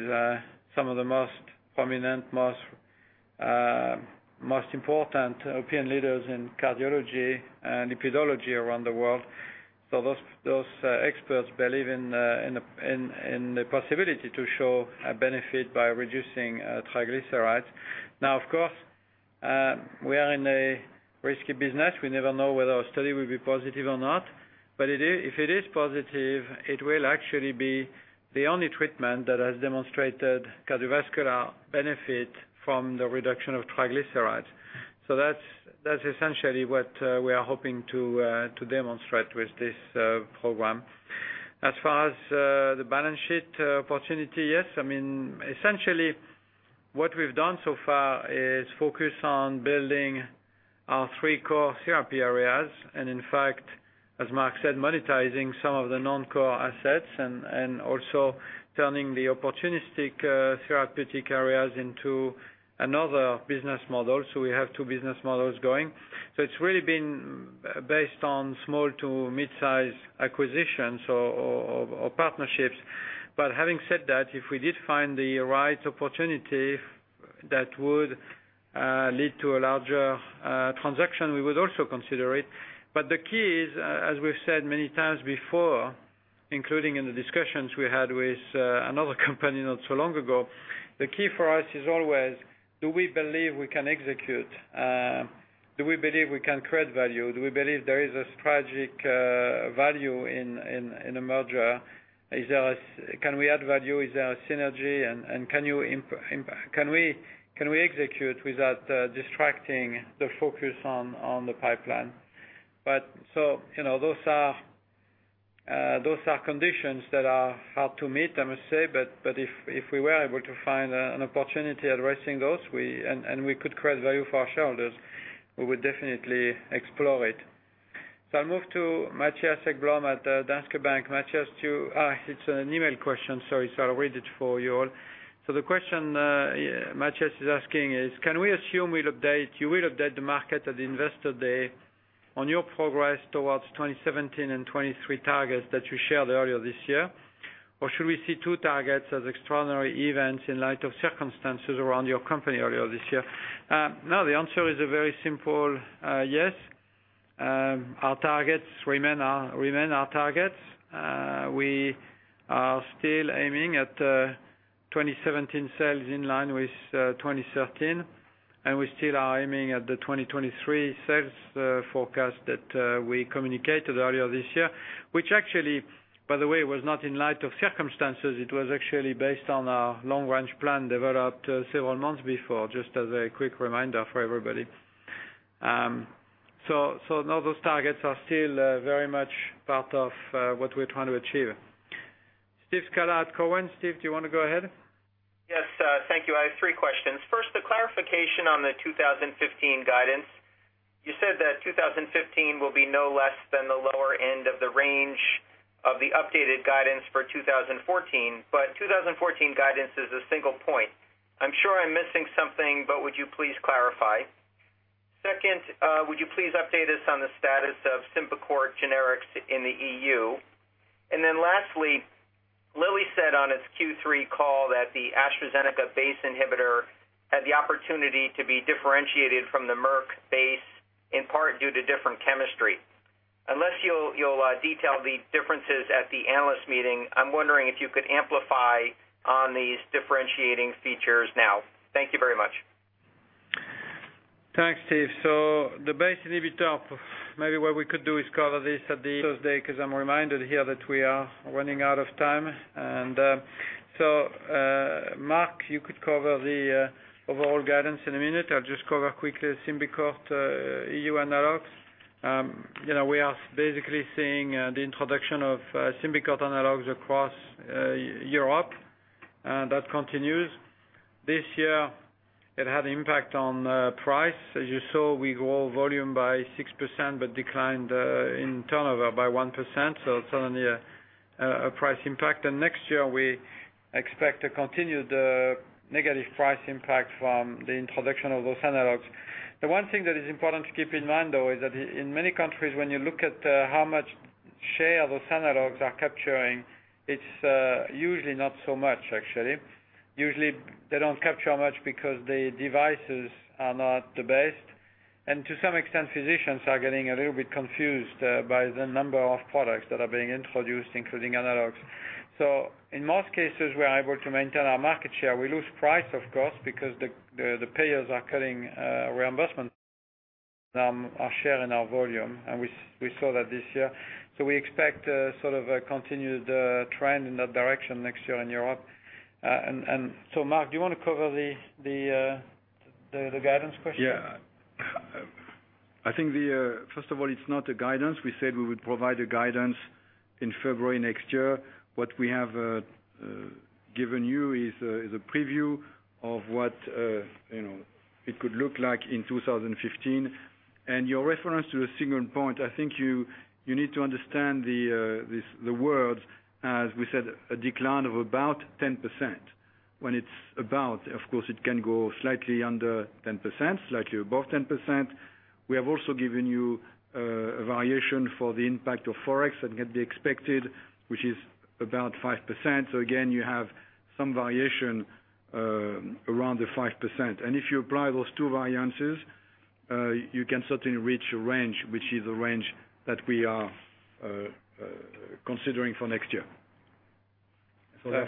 some of the most prominent, most important opinion leaders in cardiology and lipidology around the world. Those experts believe in the possibility to show a benefit by reducing triglycerides. Of course, we are in a risky business. We never know whether our study will be positive or not. If it is positive, it will actually be the only treatment that has demonstrated cardiovascular benefit from the reduction of triglycerides. That's essentially what we are hoping to demonstrate with this program. As far as the balance sheet opportunity, yes. Essentially, what we've done so far is focus on building our three core therapy areas. In fact, as Marc said, monetizing some of the non-core assets and also turning the opportunistic therapeutic areas into another business model. We have two business models going. It's really been based on small to mid-size acquisitions or partnerships. Having said that, if we did find the right opportunity that would lead to a larger transaction, we would also consider it. The key is, as we've said many times before, including in the discussions we had with another company not so long ago, the key for us is always, do we believe we can execute? Do we believe we can create value? Do we believe there is a strategic value in a merger? Can we add value? Is there a synergy, can we execute without distracting the focus on the pipeline? Those are conditions that are hard to meet, I must say. If we were able to find an opportunity addressing those, and we could create value for our shareholders, we would definitely explore it. I move to Mattias Ekblom at Danske Bank. It's an email question, so I'll read it for you all. The question Mattias is asking is: Can we assume you will update the market at the Investor Day on your progress towards 2017 and 2023 targets that you shared earlier this year? Should we see two targets as extraordinary events in light of circumstances around your company earlier this year? No, the answer is a very simple yes. Our targets remain our targets. We are still aiming at 2017 sales in line with 2013, we still are aiming at the 2023 sales forecast that we communicated earlier this year, which actually, by the way, was not in light of circumstances. It was actually based on our long-range plan developed several months before, just as a quick reminder for everybody. No, those targets are still very much part of what we're trying to achieve. Steve Scala at Cowen. Steve, do you want to go ahead? Yes. Thank you. I have three questions. First, a clarification on the 2015 guidance. You said that 2015 will be no less than the lower end of the range of the updated guidance for 2014, but 2014 guidance is a single point. I'm sure I'm missing something, but would you please clarify? Second, would you please update us on the status of SYMBICORT generics in the EU? Lastly, Lilly said on its Q3 call that the AstraZeneca BACE inhibitor had the opportunity to be differentiated from the Merck BACE, in part due to different chemistry. Unless you'll detail the differences at the analyst meeting, I'm wondering if you could amplify on these differentiating features now. Thank you very much. Thanks, Steve. The BACE inhibitor, maybe what we could do is cover this at the Analyst Day because I'm reminded here that we are running out of time. Marc, you could cover the overall guidance in a minute. I'll just cover quickly SYMBICORT EU analogs. We are basically seeing the introduction of SYMBICORT analogs across Europe. That continues. This year it had an impact on price. As you saw, we grew volume by 6% but declined in turnover by 1%, certainly a price impact. Next year, we expect to continue the negative price impact from the introduction of those analogs. The one thing that is important to keep in mind, though, is that in many countries, when you look at how much share those analogs are capturing, it's usually not so much actually. Usually, they don't capture much because the devices are not the best, and to some extent, physicians are getting a little bit confused by the number of products that are being introduced, including analogs. In most cases, we are able to maintain our market share. We lose price, of course, because the payers are cutting reimbursement our share and our volume, and we saw that this year. We expect sort of a continued trend in that direction next year in Europe. Marc, do you want to cover the guidance question? Yeah. I think, first of all, it's not a guidance. We said we would provide a guidance in February next year. What we have given you is a preview of what it could look like in 2015. Your reference to a single point, I think you need to understand the words, as we said, a decline of about 10%. When it's about, of course, it can go slightly under 10%, slightly above 10%. We have also given you a variation for the impact of Forex that can be expected, which is about 5%. Again, you have some variation around the 5%. If you apply those two variances, you can certainly reach a range, which is a range that we are considering for next year. Right.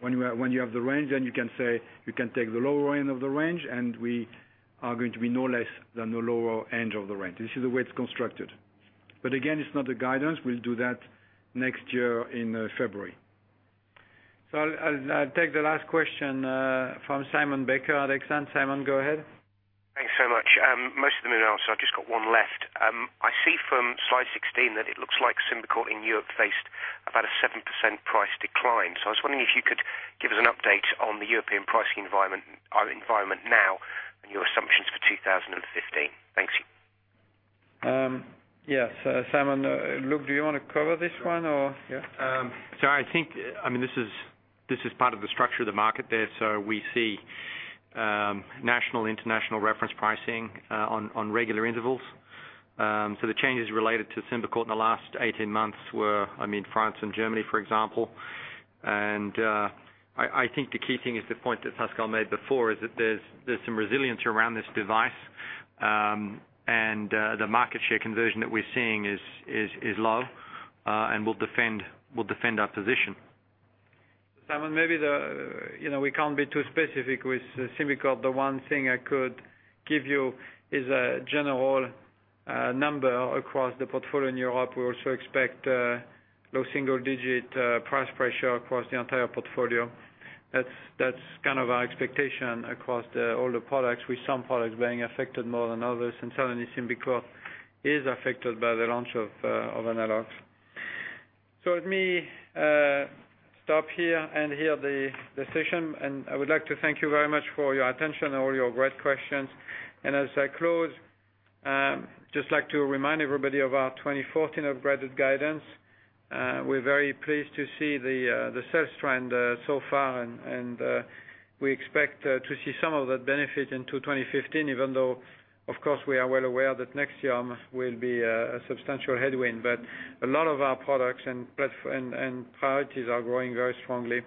When you have the range, you can say, you can take the lower end of the range, and we are going to be no less than the lower end of the range. This is the way it's constructed. Again, it's not a guidance. We'll do that next year in February. I'll take the last question from Simon Baker at Exane. Simon, go ahead. Thanks so much. Most of them are answered. I've just got one left. I see from slide 16 that it looks like SYMBICORT in Europe faced about a 7% price decline. I was wondering if you could give us an update on the European pricing environment now and your assumptions for 2015. Thanks. Yes, Simon. Luke, do you want to cover this one or yeah? I think, this is part of the structure of the market there. We see national, international reference pricing on regular intervals. The changes related to SYMBICORT in the last 18 months were, France and Germany, for example. I think the key thing is the point that Pascal made before is that there's some resilience around this device. The market share conversion that we're seeing is low and will defend our position. Simon, maybe we can't be too specific with SYMBICORT. The one thing I could give you is a general number across the portfolio in Europe. We also expect low single-digit price pressure across the entire portfolio. That's kind of our expectation across all the products, with some products being affected more than others. Certainly SYMBICORT is affected by the launch of analogs. Let me stop here and end the session, I would like to thank you very much for your attention and all your great questions. As I close, just like to remind everybody of our 2014 upgraded guidance. We're very pleased to see the sales trend so far, and we expect to see some of that benefit into 2015, even though, of course, we are well aware that next year will be a substantial headwind. A lot of our products and priorities are growing very strongly.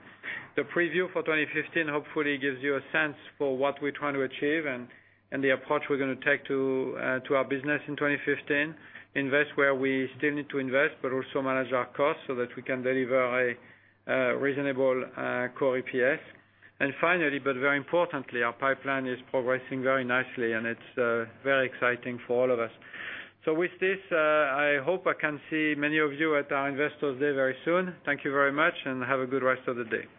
The preview for 2015 hopefully gives you a sense for what we're trying to achieve and the approach we're going to take to our business in 2015. Invest where we still need to invest, but also manage our costs so that we can deliver a reasonable Core EPS. Finally, but very importantly, our pipeline is progressing very nicely, and it's very exciting for all of us. With this, I hope I can see many of you at our Investors Day very soon. Thank you very much, and have a good rest of the day.